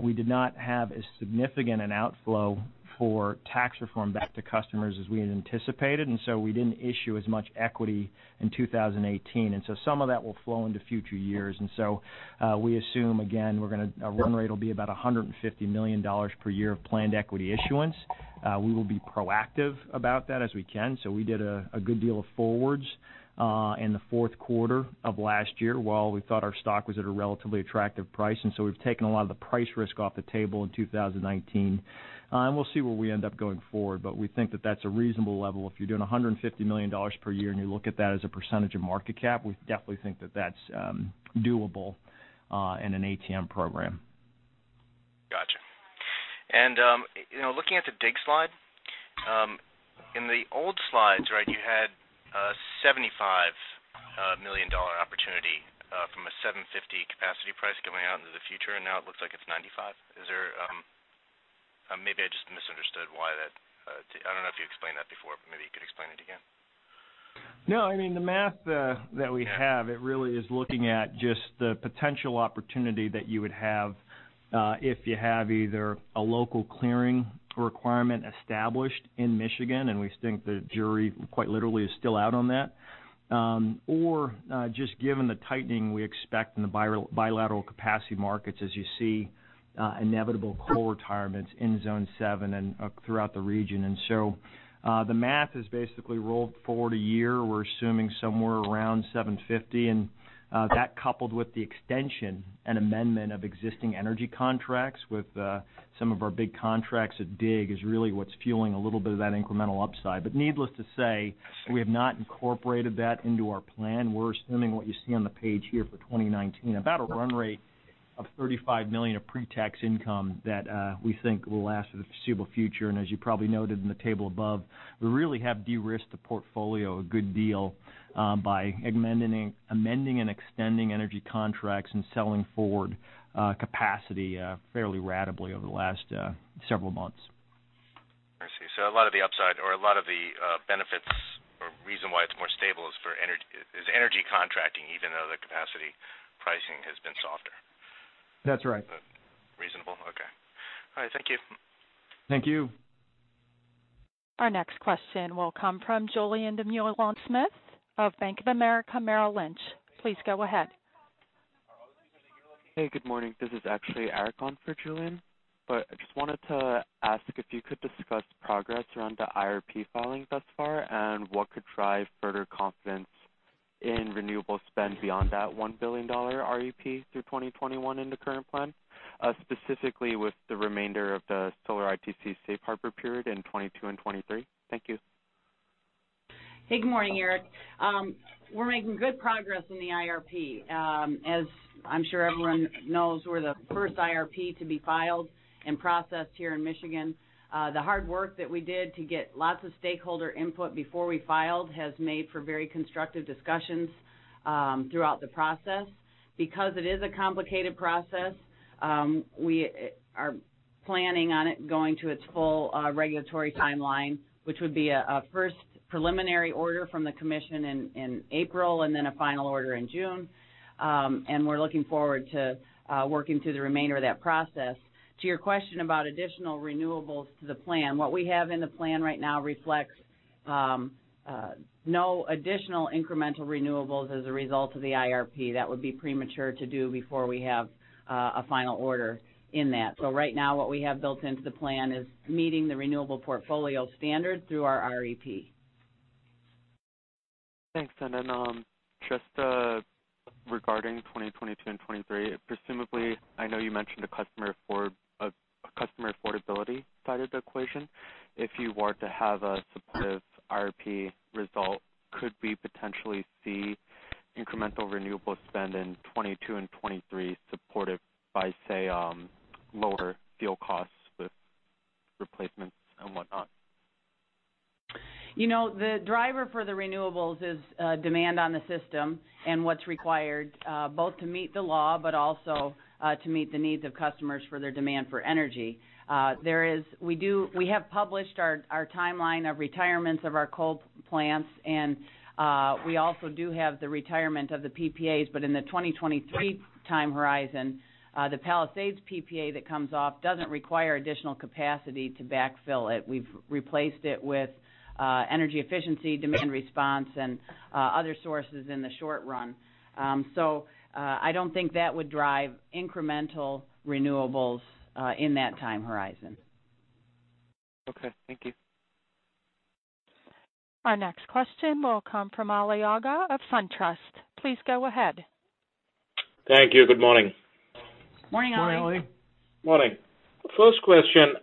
we did not have as significant an outflow for tax reform back to customers as we had anticipated, and so we didn't issue as much equity in 2018. Some of that will flow into future years. We assume, again, our run rate will be about $150 million per year of planned equity issuance. We will be proactive about that as we can. We did a good deal of forwards in the fourth quarter of last year, while we thought our stock was at a relatively attractive price. We've taken a lot of the price risk off the table in 2019. We'll see where we end up going forward, but we think that, that's a reasonable level. If you're doing $150 million per year and you look at that as a percentage of market cap, we definitely think that that's doable in an ATM program. Looking at the DIG slide. In the old slides, you had a $75 million opportunity from a 750-capacity price going out into the future; now it looks like it's $95. Maybe I don't know if you explained that before, but maybe you could explain it again. No, I mean, the math that we have, it really is looking at just the potential opportunity that you would have, if you have either a local clearing requirement established in Michigan, we think the jury quite literally is still out on that. Just given the tightening we expect in the bilateral capacity markets, as you see inevitable coal retirements in Zone 7 and throughout the region. The math is basically rolled forward a year. We're assuming somewhere around 750, that coupled with the extension and amendment of existing energy contracts with some of our big contracts at DIG is really what's fueling a little bit of that incremental upside. Needless to say, we have not incorporated that into our plan. We're assuming what you see on the page here for 2019, about a run rate of $35 million of pre-tax income that we think will last for the foreseeable future. As you probably noted in the table above, we really have de-risked the portfolio a good deal by amending and extending energy contracts and selling forward capacity fairly ratably over the last several months. I see. A lot of the upside, or a lot of the benefits, or reason why it's more stable is energy contracting, even though the capacity pricing has been softer. That's right. Reasonable. Okay. All right. Thank you. Thank you. Our next question will come from Julien Dumoulin-Smith of Bank of America Merrill Lynch. Please go ahead. Hey, good morning. This is actually Eric on for Julien. I just wanted to ask if you could discuss progress around the IRP filing thus far, and what could drive further confidence in renewable spend beyond that $1 billion IRP through 2021 in the current plan, specifically with the remainder of the solar ITC safe harbor period in 2022 and 2023. Thank you. Hey, good morning, Eric. We're making good progress in the IRP. As I'm sure everyone knows, we're the first IRP to be filed and processed here in Michigan. The hard work that we did to get lots of stakeholder input before we filed has made for very constructive discussions throughout the process. It is a complicated process; we are planning on it going to its full regulatory timeline, which would be a first preliminary order from the commission in April, and then a final order in June. We're looking forward to working through the remainder of that process. To your question about additional renewables to the plan, what we have in the plan right now reflects no additional incremental renewables as a result of the IRP. That would be premature to do before we have a final order in that. Right now, what we have built into the plan is meeting the renewable portfolio standard through our IRP. Thanks. Just regarding 2022 and 2023, presumably, I know you mentioned a customer affordability side of the equation. If you were to have a supportive IRP result, could we potentially see incremental renewable spend in 2022 and 2023, supported by, say, lower fuel costs with replacements and whatnot? The driver for the renewables is demand on the system and what's required, both to meet the law but also to meet the needs of customers for their demand for energy. We have published our timeline of retirements of our coal plants, and we also do have the retirement of the PPAs. In the 2023 time horizon, the Palisades PPA that comes off doesn't require additional capacity to backfill it. We've replaced it with energy efficiency, demand response, and other sources in the short run. I don't think that would drive incremental renewables in that time horizon. Okay. Thank you. Our next question will come from Ali Agha of SunTrust. Please go ahead. Thank you. Good morning. Morning, Ali. Morning, Ali. Morning. First question.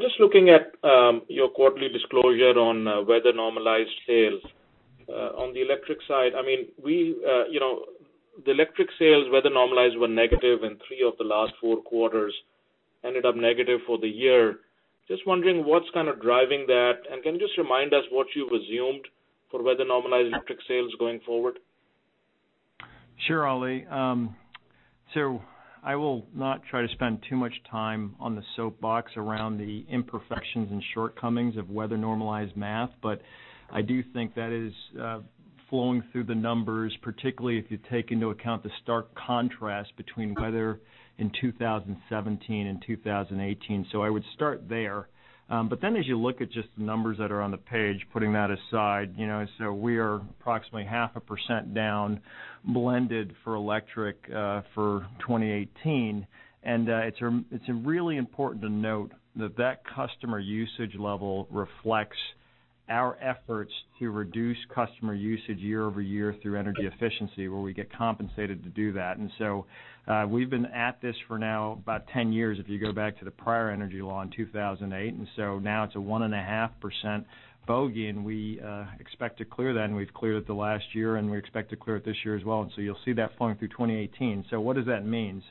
Just looking at your quarterly disclosure on weather-normalized sales. On the electric side, the electric sales weather normalized were negative in three of the last four quarters, and ended up negative for the year. Just wondering what's kind of driving that, and can you just remind us what you've assumed for weather-normalized electric sales going forward? Sure, Ali. I will not try to spend too much time on the soapbox around the imperfections and shortcomings of weather-normalized math, but I do think that is flowing through the numbers, particularly if you take into account the stark contrast between weather in 2017 and 2018. I would start there. As you look at just the numbers that are on the page, putting that aside, we are approximately half a percent down blended for electric for 2018. It's really important to note that, that customer usage level reflects our efforts to reduce customer usage year-over-year through energy efficiency, where we get compensated to do that. We've been at this for about 10 years now, if you go back to the prior energy law in 2008. Now it's a 1.5% bogey; we expect to clear that. We've cleared it the last year, we expect to clear it this year as well. You'll see that flowing through 2018. What does that mean?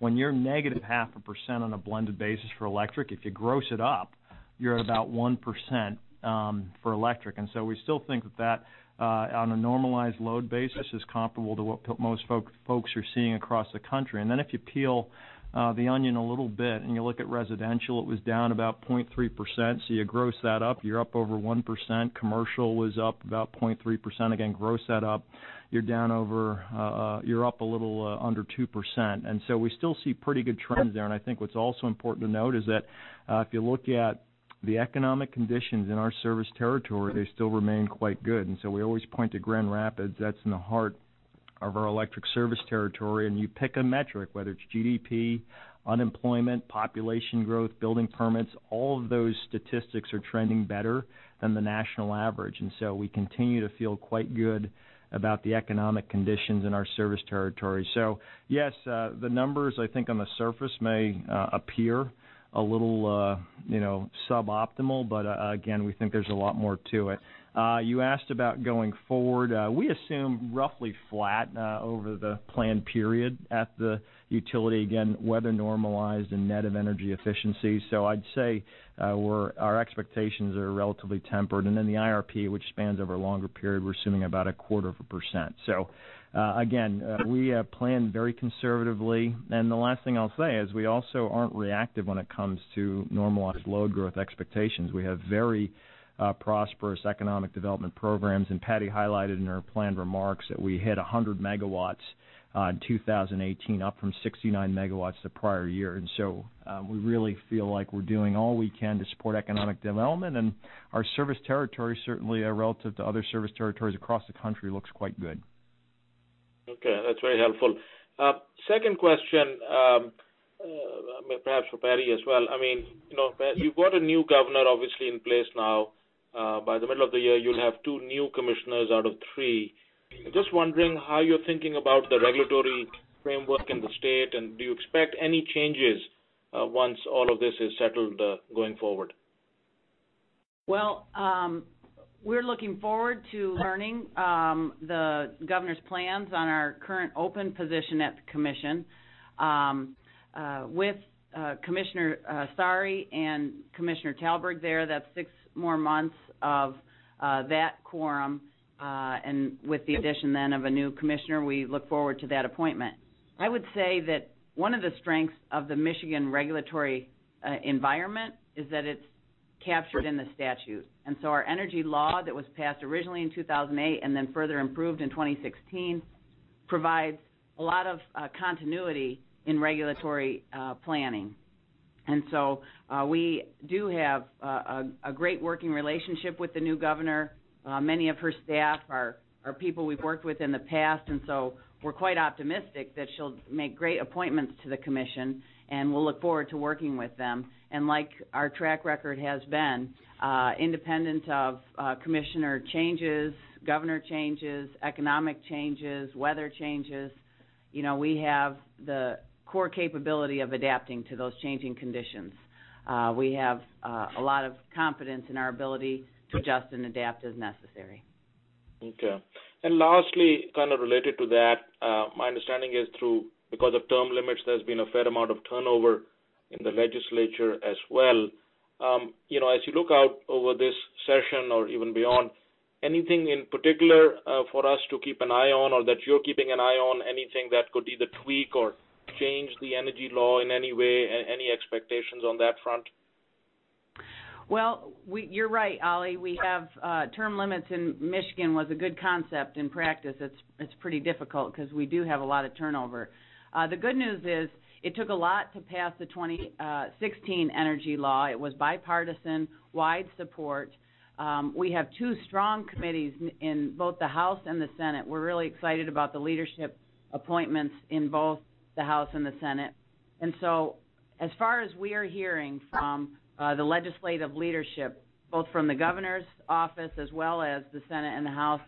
When you're negative half a percent on a blended basis for electric, if you gross it up, you're at about 1% for electric. We still think that, on a normalized load basis is comparable to what most folks are seeing across the country. If you peel the onion a little bit and you look at residential, it was down about 0.3%. You gross that up, you're up over 1%. Commercial was up about 0.3%. Again, gross that up, you're up a little under 2%. We still see pretty good trends there. I think what's also important to note is that, if you look at the economic conditions in our service territory, they still remain quite good. We always point to Grand Rapids, that's in the heart of our electric service territory. You pick a metric, whether it's GDP, unemployment, population growth, building permits, all of those statistics are trending better than the national average. We continue to feel quite good about the economic conditions in our service territory. Yes, the numbers, I think on the surface, may appear a little suboptimal. Again, we think there's a lot more to it. You asked about going forward. We assume roughly flat over the planned period at the utility. Again, weather normalized and net of energy efficiency. I'd say our expectations are relatively tempered. The IRP, which spans over a longer period, we're assuming about a quarter of a percent. Again, we plan very conservatively. The last thing I'll say is we also aren't reactive when it comes to normalized load growth expectations. We have very prosperous economic development programs, and Patti highlighted in her planned remarks that we hit 100 MW in 2018, up from 69 MW the prior year. We really feel like we're doing all we can to support economic development. Our service territory, certainly, relative to other service territories across the country, looks quite good. Okay. That's very helpful. Second question, perhaps for Patti as well. You've got a new governor, obviously, in place now. By the middle of the year, you'll have two new commissioners out of three. Just wondering how you're thinking about the regulatory framework in the state, and do you expect any changes once all of this is settled, going forward? We're looking forward to learning the governor's plans on our current open position at the commission. With Commissioner Saari and Commissioner Talberg there, that's six more months of that quorum. With the addition then of a new commissioner, we look forward to that appointment. I would say that one of the strengths of the Michigan regulatory environment is that it's captured in the statute. Our energy law that was passed originally in 2008 and then further improved in 2016, provides a lot of continuity in regulatory planning. We do have a great working relationship with the new governor. Many of her staff are people we've worked with in the past. We're quite optimistic that she'll make great appointments to the commission, and we'll look forward to working with them. Like our track record has been, independent of commissioner changes, governor changes, economic changes, weather changes, we have the core capability of adapting to those changing conditions. We have a lot of confidence in our ability to adjust and adapt as necessary. Okay. Lastly, kind of related to that, my understanding is because of term limits, there's been a fair amount of turnover in the legislature as well. As you look out over this session or even beyond, anything in particular for us to keep an eye on or that you're keeping an eye on, anything that could either tweak or change the energy law in any way? Any expectations on that front? Well, you're right, Ali. Term limits in Michigan was a good concept. In practice, it's pretty difficult because we do have a lot of turnover. The good news is it took a lot to pass the 2016 energy law. It was bipartisan, wide support. We have two strong committees in both the House and the Senate. We're really excited about the leadership appointments in both the House and the Senate. As far as we are hearing from the legislative leadership, both from the governor's office as well as the Senate and the House,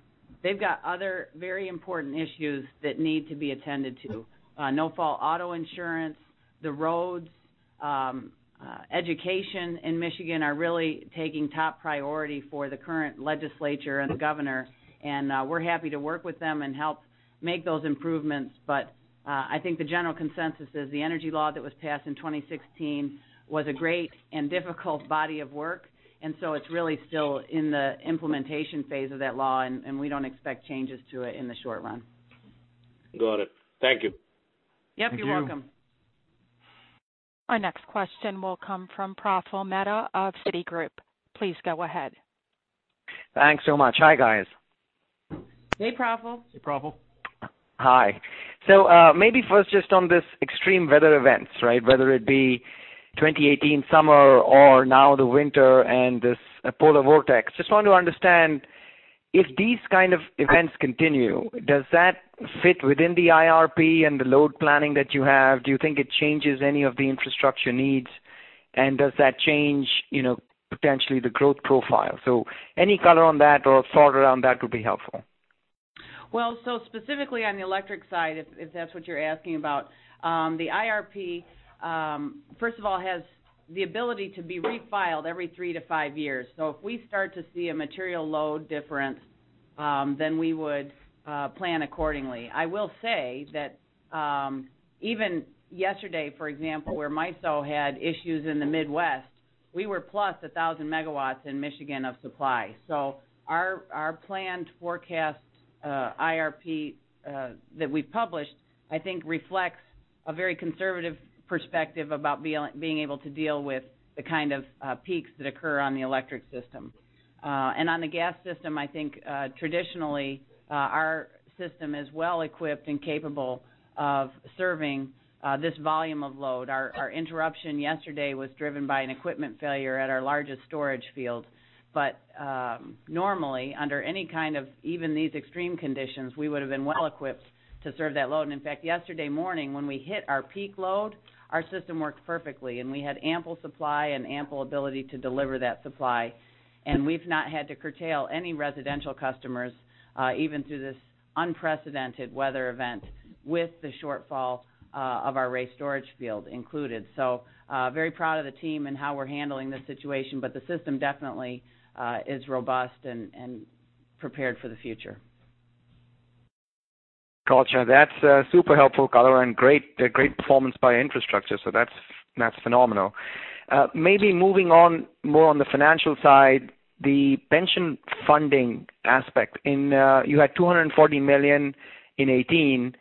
they've got other very important issues that need to be attended to. No-fault auto insurance, the roads, education in Michigan are really taking top priority for the current legislature and the governor. We're happy to work with them and help make those improvements. I think the general consensus is the energy law that was passed in 2016 was a great and difficult body of work, and so it's really still in the implementation phase of that law, and we don't expect changes to it in the short run. Got it. Thank you. Yep, you're welcome. Thank you. Our next question will come from Praful Mehta of Citigroup. Please go ahead. Thanks so much. Hi, guys. Hey, Praful. Hey, Praful. Hi. Maybe first just on this extreme weather events, right? Whether it be the 2018 summer or now the winter, and this polar vortex. Just want to understand, if these kinds of events continue, does that fit within the IRP and the load planning that you have? Do you think it changes any of the infrastructure needs, and does that potentially change the growth profile? Any color on that or thought around that would be helpful. Specifically on the electric side, if that's what you're asking about, the IRP, first of all, has the ability to be refiled every three to five years. If we start to see a material load difference, then we would plan accordingly. I will say that even yesterday, for example, where MISO had issues in the Midwest, we were +1,000 MW in Michigan of supply. Our planned forecast IRP that we published, I think, reflects a very conservative perspective about being able to deal with the kind of peaks that occur on the electric system. On the gas system, I think traditionally, our system is well-equipped and capable of serving this volume of load. Our interruption yesterday was driven by an equipment failure at our largest storage field. Normally, under any kind of even these extreme conditions, we would have been well-equipped to serve that load. In fact, yesterday morning, when we hit our peak load, our system worked perfectly, and we had ample supply and ample ability to deliver that supply. We've not had to curtail any residential customers, even through this unprecedented weather event, with the shortfall of our Ray storage field included. Very proud of the team and how we're handling this situation, the system definitely is robust and prepared for the future. Got you. That's super helpful, Patti, and great performance by infrastructure. That's phenomenal. Maybe moving on more on the financial side, the pension funding aspect. You had $240 million in 2018.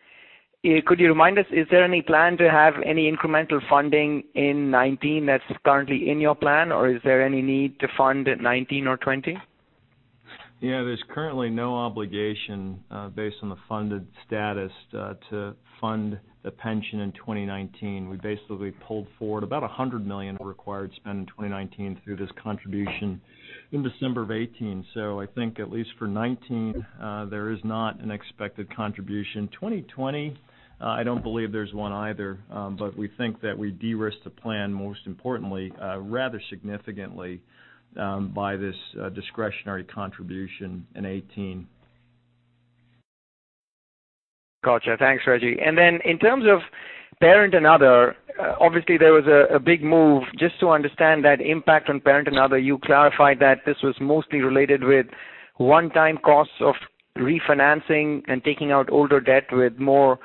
Could you remind us, is there any plan to have any incremental funding in 2019 that's currently in your plan, or is there any need to fund 2019 or 2020? There's currently no obligation based on the funded status to fund the pension in 2019. We basically pulled forward about $100 million of required spend in 2019 through this contribution in December of 2018. I think, In at least for 2019, there is not an expected contribution. 2020, I don't believe there's one either, but we think that we de-risk the plan, most importantly, rather significantly, by this discretionary contribution in 2018. Got you. Thanks, Rejji. In terms of parents and others, obviously, there was a big move. Just to understand that impact on the parent and others, you clarified that this was mostly related with one-time costs of refinancing and taking out older debt with more,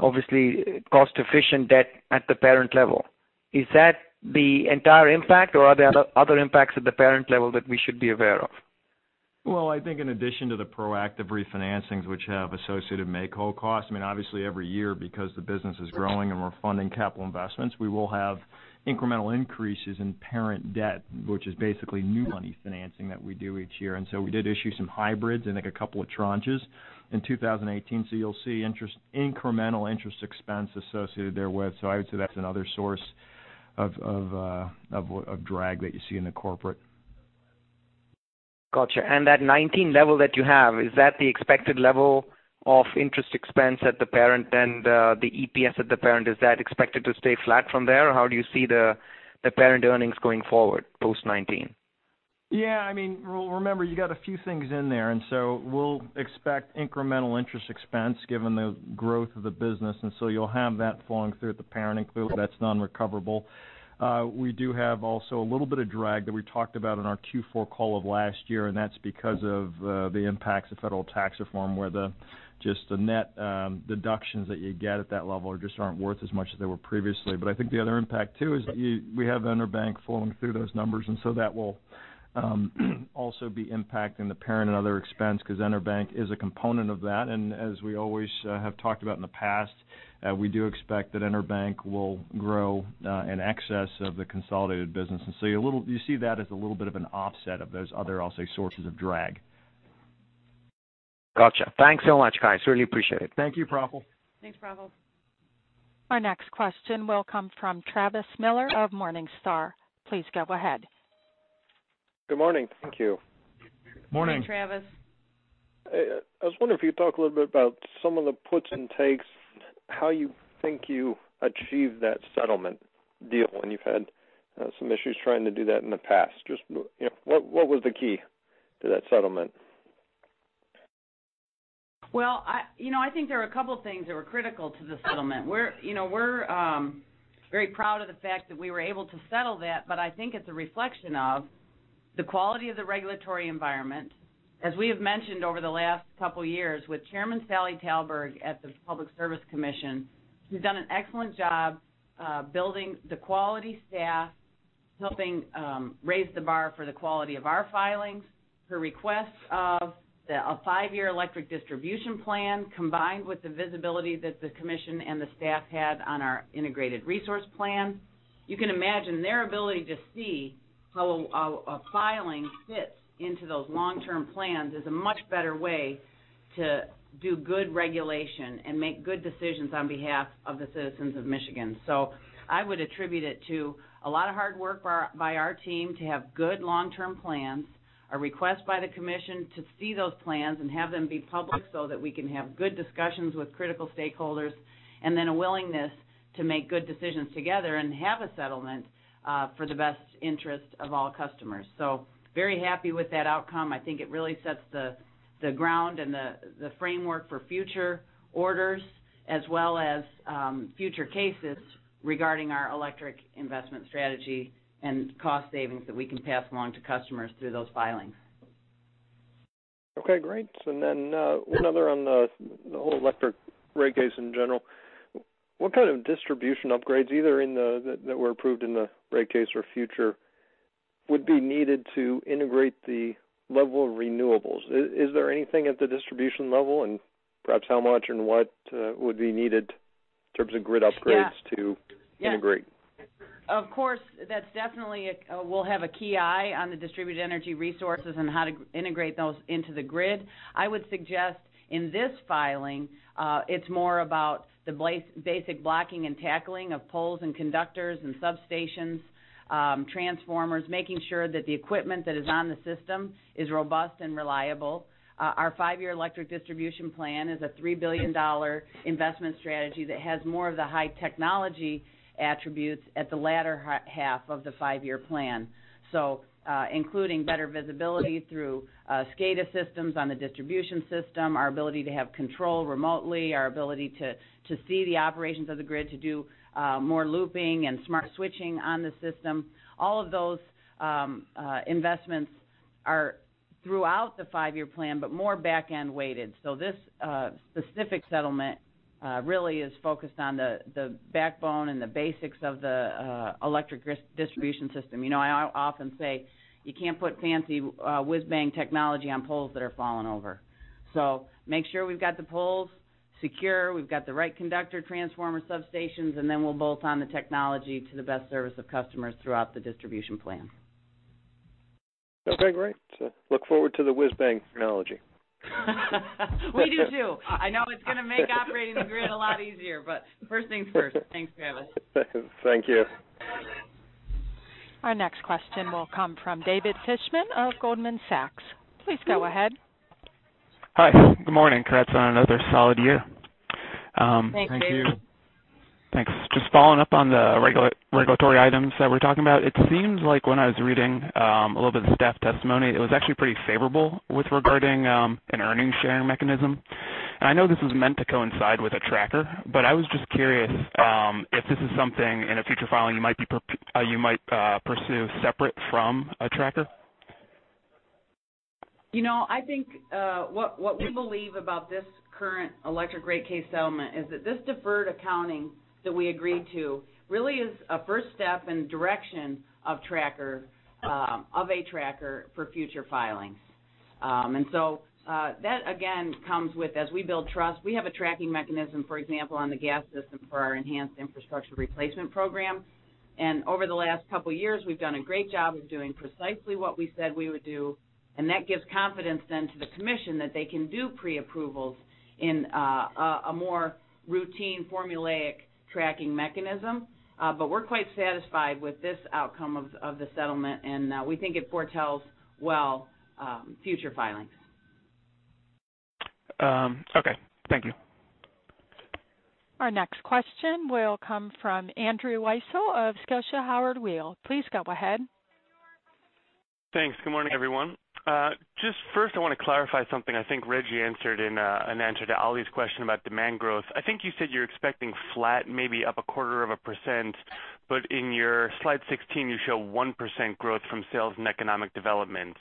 obviously, cost-efficient debt at the parent level. Is that the entire impact, or are there other impacts at the parent level that we should be aware of? I think in addition to the proactive refinancings, which have associated make-whole costs, obviously, every year, because the business is growing and we're funding capital investments, we will have incremental increases in parent debt, which is basically new money financing that we do each year. We did issue some hybrids in a couple of tranches in 2018. You'll see incremental interest expense associated therewith. I would say that's another source of drag that you see in the corporate. Got you. That 2019 level that you have is that the expected level of interest expense at the parent and the EPS at the parent? Is that expected to stay flat from there, or how do you see the parent earnings going forward post 2019? Yeah, I mean, remember, you have a few things in there. We will expect incremental interest expense given the growth of the business, so you will have that flowing through at the parent, that is non-recoverable. We do have also a little bit of drag that we talked about in our Q4 call of last year, and that is because of the impacts of federal tax reform, where just the net deductions that you get at that level just aren't worth as much as they were previously. I think the other impact, too, is we have EnerBank flowing through those numbers, and so that will also be impacting the parent and other expenses because EnerBank is a component of that. As we have always talked about in the past, we do expect that EnerBank will grow in excess of the consolidated business. You see that as a little bit of an offset of those other, I'll say, sources of drag. Got you. Thanks so much, guys. Really appreciate it. Thank you, Praful. Thanks, Praful. Our next question will come from Travis Miller of Morningstar. Please go ahead. Good morning. Thank you. Morning. Morning, Travis. I was wondering if you could talk a little bit about some of the puts and takes, how you think you achieved that settlement deal when you've had some issues trying to do that in the past. What was the key to that settlement? Well, I think there are a couple of things that were critical to the settlement. We're very proud of the fact that we were able to settle that, but I think it's a reflection of the quality of the regulatory environment. As we have mentioned over the last couple of years, with Chairman Sally Talberg at the Public Service Commission, who has done an excellent job building a quality staff, helping raise the bar for the quality of our filings. Her request of a five-year electric distribution plan, combined with the visibility that the commission and the staff had on our integrated resource plan. You can imagine their ability to see how a filing fits into those long-term plans is a much better way to do good regulation and make good decisions on behalf of the citizens of Michigan. I would attribute it to a lot of hard work by our team to have good long-term plans, a request by the commission to see those plans and have them be public so that we can have good discussions with critical stakeholders, and then a willingness to make good decisions together and have a settlement for the best interest of all customers. Very happy with that outcome. I think it really sets the ground and the framework for future orders as well as future cases regarding our electric investment strategy and cost savings that we can pass along to customers through those filings. Okay, great. Another on the whole electric rate case in general. What kind of distribution upgrades, either that were approved in the rate case or future, would be needed to integrate the level of renewables? Is there anything at the distribution level, and perhaps how much and what would be needed in terms of grid upgrades? Yeah. To integrate? Of course. We'll have a keen eye on the distributed energy resources and how to integrate those into the grid. I would suggest in this filing, it's more about the basic blocking and tackling of poles and conductors and substations, transformers, making sure that the equipment that is on the system is robust and reliable. Our five-year electric distribution plan is a $3 billion investment strategy that has more high-technology attributes at the latter half of the five-year plan. Including better visibility through SCADA systems on the distribution system, our ability to have control remotely, our ability to see the operations of the grid, to do more looping and smart switching on the system. All of those investments are throughout the five-year plan, but more back-end weighted. This specific settlement really is focused on the backbone and the basics of the electric distribution system. I often say you can't put fancy whiz-bang technology on poles that are falling over. Make sure we've got the poles secure, we've got the right conductor transformer substations, and then we'll bolt on the technology to the best service of customers throughout the distribution plan. Okay, great. Look forward to the whiz-bang technology. We do too. I know it's going to make operating the grid a lot easier, but first things first. Thanks, Travis. Thank you. Our next question will come from David Fishman of Goldman Sachs. Please go ahead. Hi. Good morning. Congrats on another solid year. Thank you. Thanks. Just following up on the regulatory items that we're talking about. It seems like when I was reading a little bit of the staff testimony, it was actually pretty favorable with regarding an earnings sharing mechanism. I know this is meant to coincide with a tracker, but I was just curious if this is something in a future filing you might pursue separately from a tracker. I think what we believe about this current electric rate case settlement is that this deferred accounting that we agreed to really is a first step in the direction of a tracker for future filings. That again comes with as we build trust. We have a tracking mechanism, for example, on the gas system for our enhanced infrastructure replacement program. Over the last couple of years, we've done a great job of doing precisely what we said we would do, and that gives confidence then to the Commission that they can do pre-approvals in a more routine, formulaic tracking mechanism. We're quite satisfied with this outcome of the settlement, and we think it foretells well future filings. Okay. Thank you. Our next question will come from Andrew Weisel of Scotia Howard Weil. Please go ahead. Thanks. Good morning, everyone. Just first, I want to clarify something I think Rejji answered in an answer to Ali's question about demand growth. I think you said you're expecting flat, maybe up a quarter of a percent, but in your slide 16, you show 1% growth from sales and economic development.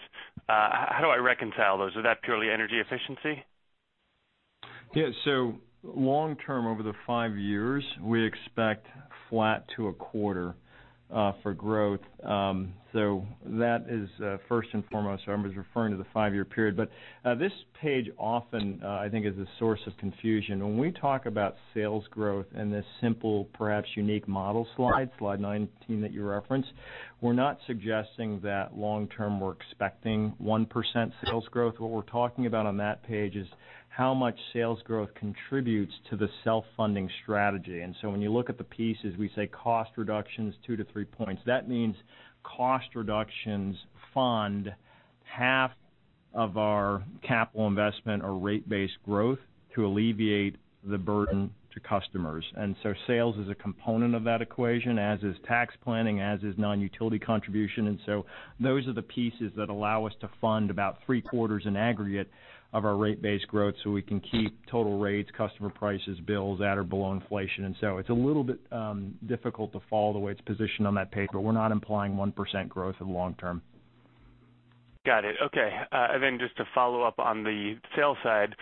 How do I reconcile those? Is that purely energy efficiency? Yeah. Long term, over the five years, we expect flat to a quarter for growth. That is, first and foremost, I was referring to the five-year period. This page, I often think, is a source of confusion. When we talk about sales growth and this simple, perhaps unique model, slide 19 that you referenced, we're not suggesting that long-term we're expecting 1% sales growth. What we're talking about on that page is how much sales growth contributes to the self-funding strategy. When you look at the pieces, we say cost reductions of two to three points. That means cost reductions fund half of our capital investment or rate-based growth to alleviate the burden on customers. Sales is a component of that equation, as is tax planning, as is non-utility contribution. Those are the pieces that allow us to fund about three-quarters in aggregate of our rate-based growth, so we can keep total rates, customer prices, bills at or below inflation. It's a little bit difficult to follow the way it's positioned on that page, but we're not implying 1% growth in the long-term. Got it. Okay. Just to follow up on the sales side,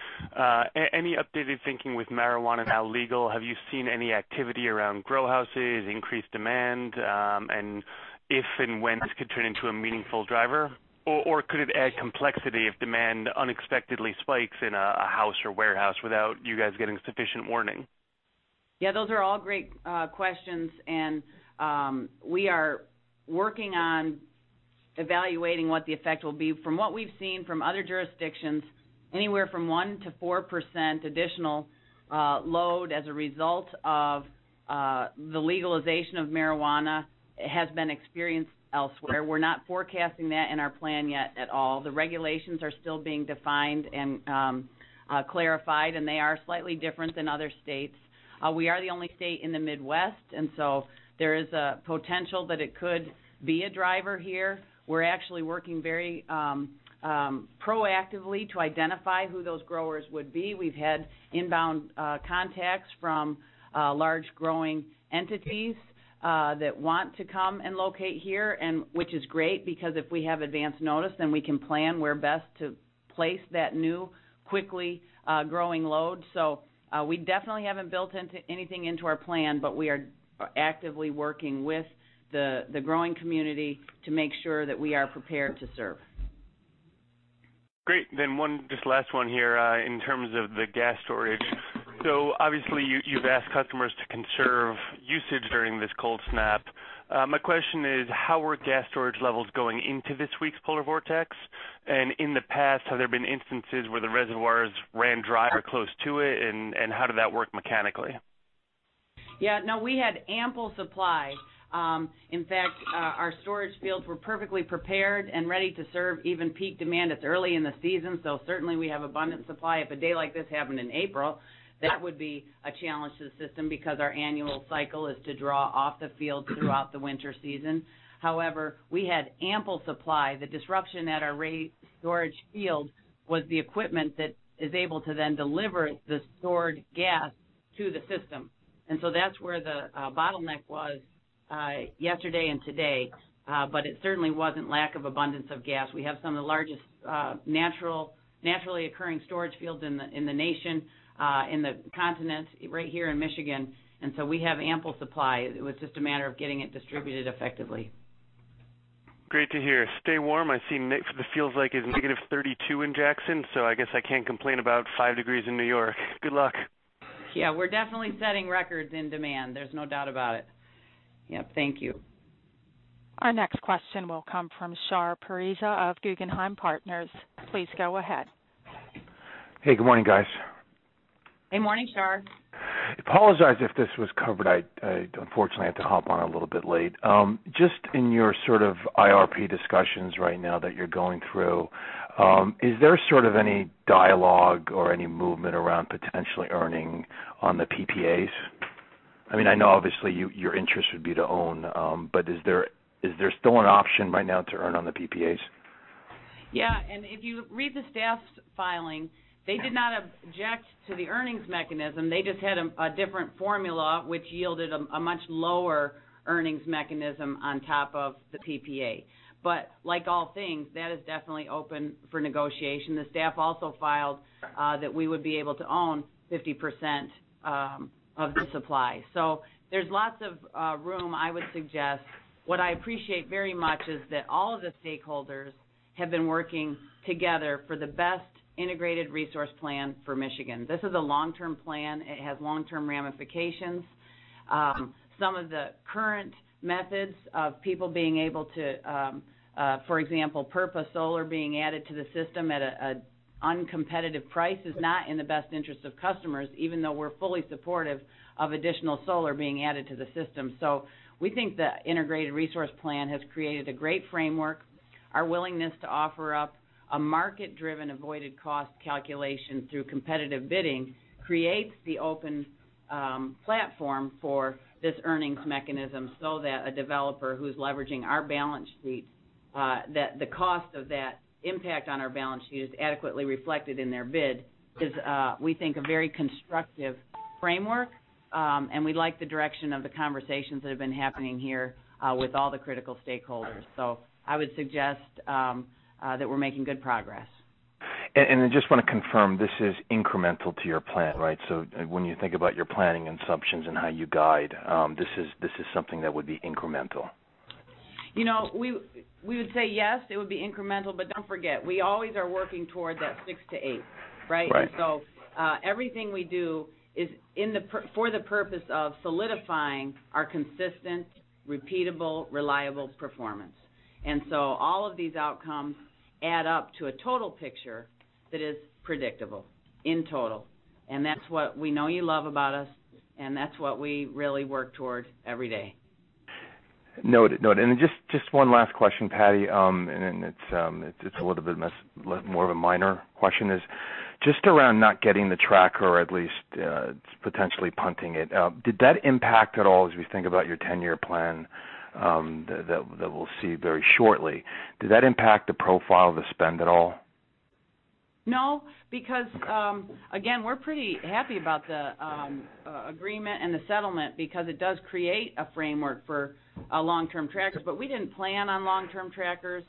any updated thinking with marijuana now legal? Have you seen any activity around grow houses, increased demand, and if and when this could turn into a meaningful driver? Or could it add complexity if demand unexpectedly spikes in a house or warehouse without you guys getting sufficient warning? Yeah, those are all great questions, and we are working on evaluating what the effect will be. From what we've seen from other jurisdictions, anywhere from 1% to 4% additional load as a result of the legalization of marijuana has been experienced elsewhere. We're not forecasting that in our plan yet at all. The regulations are still being defined and clarified, and they are slightly different than other states. We are the only state in the Midwest, there is a potential that it could be a driver here. We're actually working very proactively to identify who those growers would be. We've had inbound contacts from large, growing entities that want to come and locate here, which is great because if we have advance notice, then we can plan where best to place that new, quickly growing load. We definitely haven't built anything into our plan, but we are actively working with the growing community to make sure that we are prepared to serve. Great. Just last one here, in terms of the gas storage. Obviously, you've asked customers to conserve usage during this cold snap. My question is, how were gas storage levels going into this week's polar vortex? And in the past, have there been instances where the reservoirs ran dry or close to it, and how did that work mechanically? Yeah, no, we had ample supply. In fact, our storage fields were perfectly prepared and ready to serve even peak demand. It's early in the season, certainly we have an abundant supply. If a day like this happened in April, that would be a challenge to the system because our annual cycle is to draw off the fields throughout the winter season. However, we had ample supply. The disruption at our Ray storage field was the equipment that is able to then deliver the stored gas to the system. That's where the bottleneck was yesterday and today. It certainly wasn't a lack of abundance of gas. We have some of the largest naturally occurring storage fields in the nation, in the continent, right here in Michigan. We have ample supply. It was just a matter of getting it distributed effectively. Great to hear. Stay warm. I see it feels like it's -32 in Jackson, I guess I can't complain about five degrees in New York. Good luck. Yeah, we're definitely setting records in demand. There's no doubt about it. Yep, thank you. Our next question will come from Shar Pourreza of Guggenheim Partners. Please go ahead. Hey, good morning, guys. Good morning, Shar. Apologize if this was covered. I unfortunately had to hop on a little bit late. Just in your sort of IRP discussions right now that you're going through, is there any sort of dialogue or any movement around potentially earning on the PPAs? I know obviously your interest would be to own, is there still an option right now to earn on the PPAs? Yeah, if you read the staff's filing, they did not object to the earnings mechanism. They just had a different formula, which yielded a much lower earnings mechanism on top of the PPA. Like all things, that is definitely open for negotiation. The staff also filed that we would be able to own 50% of the supply. There's lots of room, I would suggest. What I appreciate very much is that all of the stakeholders have been working together for the best integrated resource plan for Michigan. This is a long-term plan. It has long-term ramifications. Some of the current methods of people being able to, for example, purpose solar being added to the system at an uncompetitive price is not in the best interest of customers, even though we're fully supportive of additional solar being added to the system. We think the integrated resource plan has created a great framework. Our willingness to offer up a market-driven avoided cost calculation through competitive bidding creates the open platform for this earnings mechanism so that a developer who's leveraging our balance sheet, that the cost of that impact on our balance sheet is adequately reflected in their bid is, we think, a very constructive framework, and we like the direction of the conversations that have been happening here with all the critical stakeholders. I would suggest that we're making good progress. I just want to confirm, this is incremental to your plan, right? When you think about your planning assumptions and how you guide, this is something that would be incremental. We would say, yes, it would be incremental, but don't forget, we are always working towards that 6%-8%, right? Right. Everything we do is for the purpose of solidifying our consistent, repeatable, reliable performance. All of these outcomes add up to a total picture that is predictable in total. That's what we know you love about us, and that's what we really work toward every day. Noted. Noted. Just one last question, Patti, then it's a little bit more of a minor question. Just around not getting the tracker or at least potentially punting it, did that impact at all as we think about your 10-year plan that we'll see very shortly? Did that impact the profile of the spend at all? No, because, again, we're pretty happy about the agreement and the settlement because it does create a framework for a long-term tracker. We didn't plan on long-term trackers.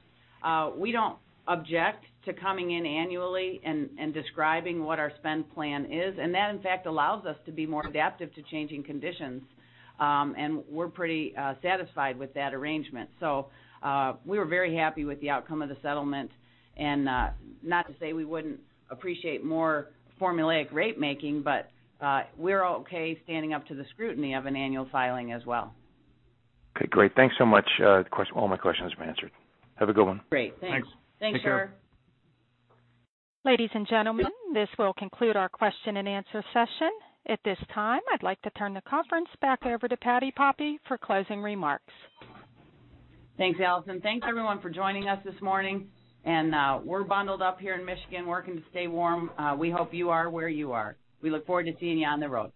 We don't object to coming in annually and describing what our spending plan is, and that, in fact, allows us to be more adaptive to changing conditions. We're pretty satisfied with that arrangement. We were very happy with the outcome of the settlement. Not to say we wouldn't appreciate more formulaic rate making, but we're okay standing up to the scrutiny of an annual filing as well. Okay, great. Thanks so much. All my questions have been answered. Have a good one. Great. Thanks. Thanks. Take care. Thanks, Shar. Ladies and gentlemen, this will conclude our question-and-answer session. At this time, I'd like to turn the conference back over to Patti Poppe for closing remarks. Thanks, Allison. Thanks, everyone, for joining us this morning. We're bundled up here in Michigan, working to stay warm. We hope you are where you are. We look forward to seeing you on the road.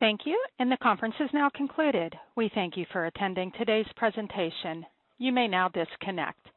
Thank you. The conference is now concluded. We thank you for attending today's presentation. You may now disconnect.